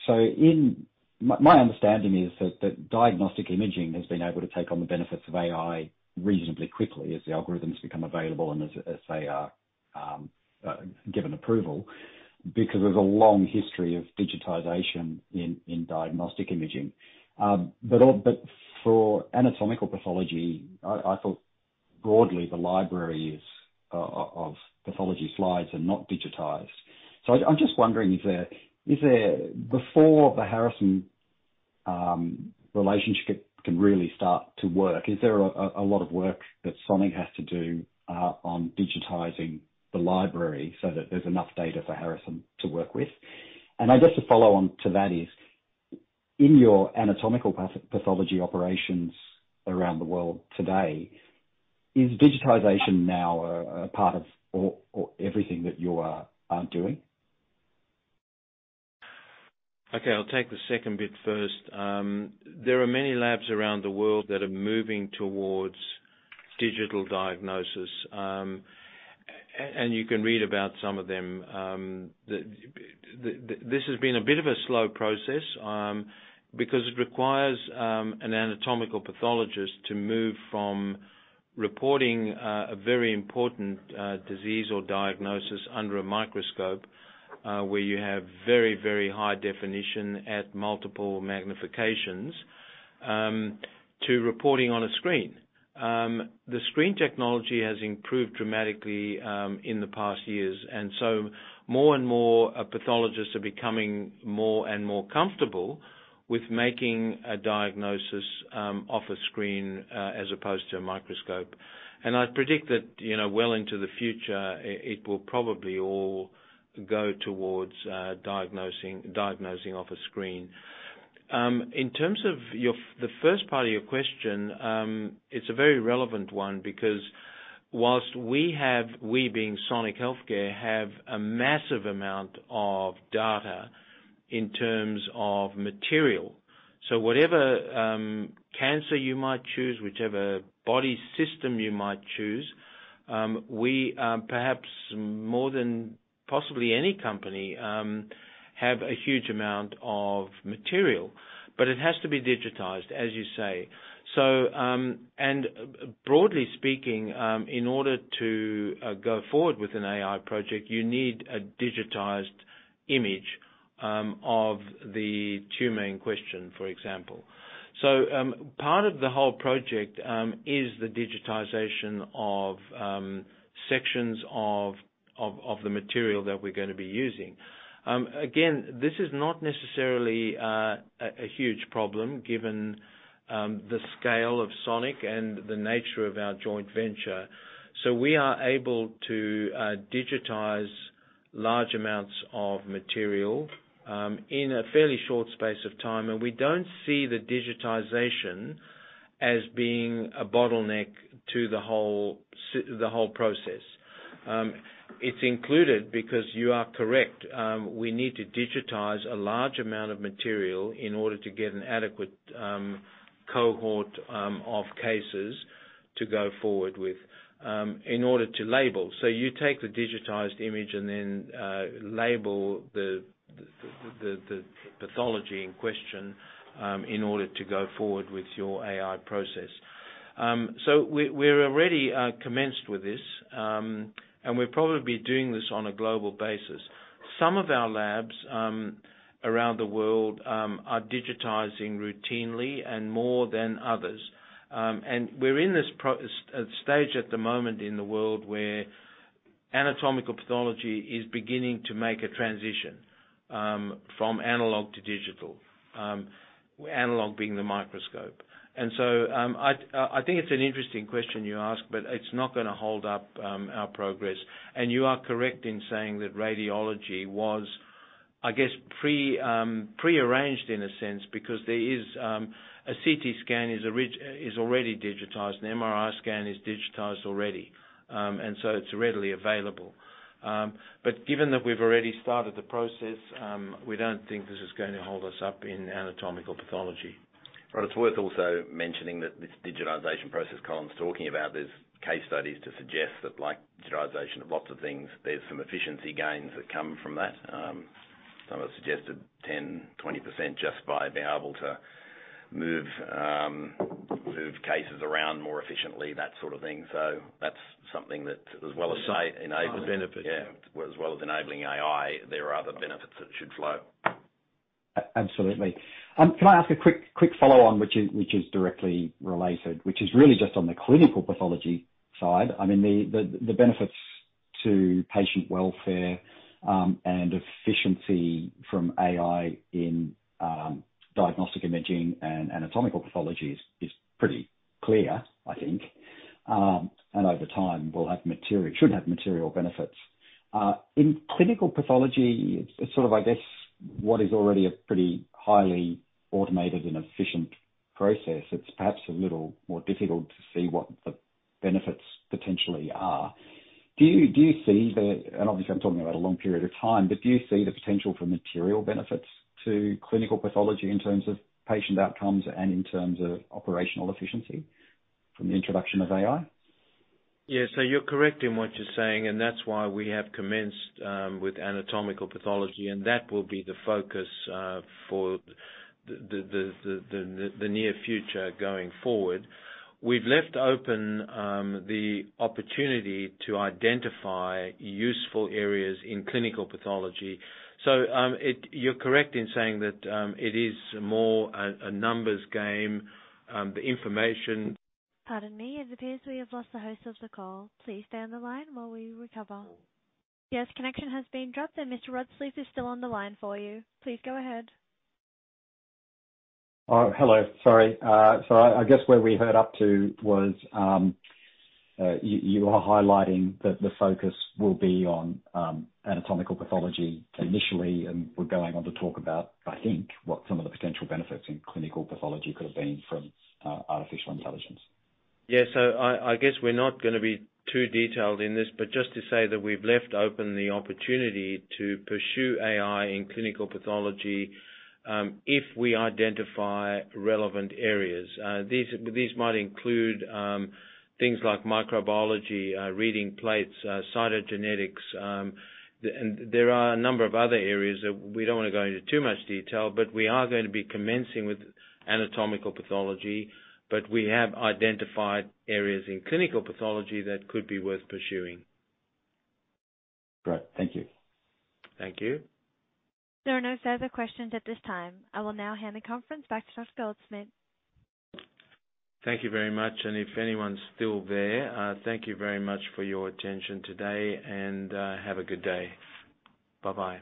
My understanding is that diagnostic imaging has been able to take on the benefits of AI reasonably quickly as the algorithms become available and as they are given approval because there's a long history of digitization in diagnostic imaging. But for anatomical pathology, I thought broadly the libraries of pathology slides are not digitized. I'm just wondering if there, before the Harrison.ai relationship can really start to work, is there a lot of work that Sonic has to do on digitizing the library so that there's enough data for Harrison.ai to work with? I guess the follow on to that is, in your anatomical pathology operations around the world today, is digitization now a part of or everything that you are doing? Okay, I'll take the second bit first. There are many labs around the world that are moving toward digital diagnosis, and you can read about some of them. This has been a bit of a slow process, because it requires an anatomical pathologist to move from reporting a very important disease or diagnosis under a microscope, where you have very high definition at multiple magnifications, to reporting on a screen. The screen technology has improved dramatically in the past years, and so more and more pathologists are becoming more and more comfortable with making a diagnosis off a screen as opposed to a microscope. I predict that, you know, well into the future, it will probably all go toward diagnosing off a screen. In terms of your, the first part of your question, it's a very relevant one because while we have, we being Sonic Healthcare, have a massive amount of data in terms of material. So whatever cancer you might choose, whichever body system you might choose, we, perhaps more than possibly any company, have a huge amount of material, but it has to be digitized, as you say. Broadly speaking, in order to go forward with an AI project, you need a digitized image of the tumor in question, for example. Part of the whole project is the digitization of sections of the material that we're gonna be using. Again, this is not necessarily a huge problem given the scale of Sonic and the nature of our joint venture. We are able to digitize large amounts of material in a fairly short space of time. We don't see the digitization as being a bottleneck to the whole process. It's included because you are correct. We need to digitize a large amount of material in order to get an adequate cohort of cases to go forward with in order to label. You take the digitized image and then label the pathology in question in order to go forward with your AI process. We're already commenced with this. We're probably doing this on a global basis. Some of our labs around the world are digitizing routinely and more than others. We're in this stage at the moment in the world where anatomical pathology is beginning to make a transition from analog to digital, analog being the microscope. I think it's an interesting question you ask, but it's not gonna hold up our progress. You are correct in saying that radiology was, I guess, pre-arranged in a sense, because there is a CT scan is already digitized. An MRI scan is digitized already. It's readily available. Given that we've already started the process, we don't think this is gonna hold us up in anatomical pathology. It's worth also mentioning that this digitization process Colin's talking about. There's case studies to suggest that like digitization of lots of things, there's some efficiency gains that come from that. Some have suggested 10 to 20% just by being able to move cases around more efficiently, that sort of thing. That's something that as well as, say, enable Benefit. Yeah. As well as enabling AI, there are other benefits that should flow. Absolutely. Can I ask a quick follow-on which is directly related, which is really just on the clinical pathology side. I mean, the benefits to patient welfare and efficiency from AI in diagnostic imaging and anatomical pathology is pretty clear, I think. And over time will have material benefits. Should have material benefits. In clinical pathology, it's sort of, I guess, what is already a pretty highly automated and efficient process. It's perhaps a little more difficult to see what the benefits potentially are. Do you see the potential for material benefits to clinical pathology in terms of patient outcomes and in terms of operational efficiency from the introduction of AI? Yes. You're correct in what you're saying, and that's why we have commenced with anatomical pathology, and that will be the focus for the near future going forward. We've left open the opportunity to identify useful areas in clinical pathology. You're correct in saying that it is more a numbers game. The information Pardon me. It appears we have lost the host of the call. Please stay on the line while we recover. Yes, connection has been dropped, and Mr. Rod Sleath is still on the line for you. Please go ahead. Hello. Sorry. I guess where we heard up to was, you are highlighting that the focus will be on anatomical pathology initially, and we're going on to talk about, I think, what some of the potential benefits in clinical pathology could have been from artificial intelligence. I guess we're not gonna be too detailed in this, but just to say that we've left open the opportunity to pursue AI in clinical pathology, if we identify relevant areas. These might include things like microbiology, reading plates, cytogenetics. There are a number of other areas that we don't wanna go into too much detail, but we are gonna be commencing with anatomical pathology. We have identified areas in clinical pathology that could be worth pursuing. Great. Thank you. Thank you. There are no further questions at this time. I will now hand the conference back to Dr. Goldschmidt. Thank you very much. If anyone's still there, thank you very much for your attention today, and have a good day. Bye-bye.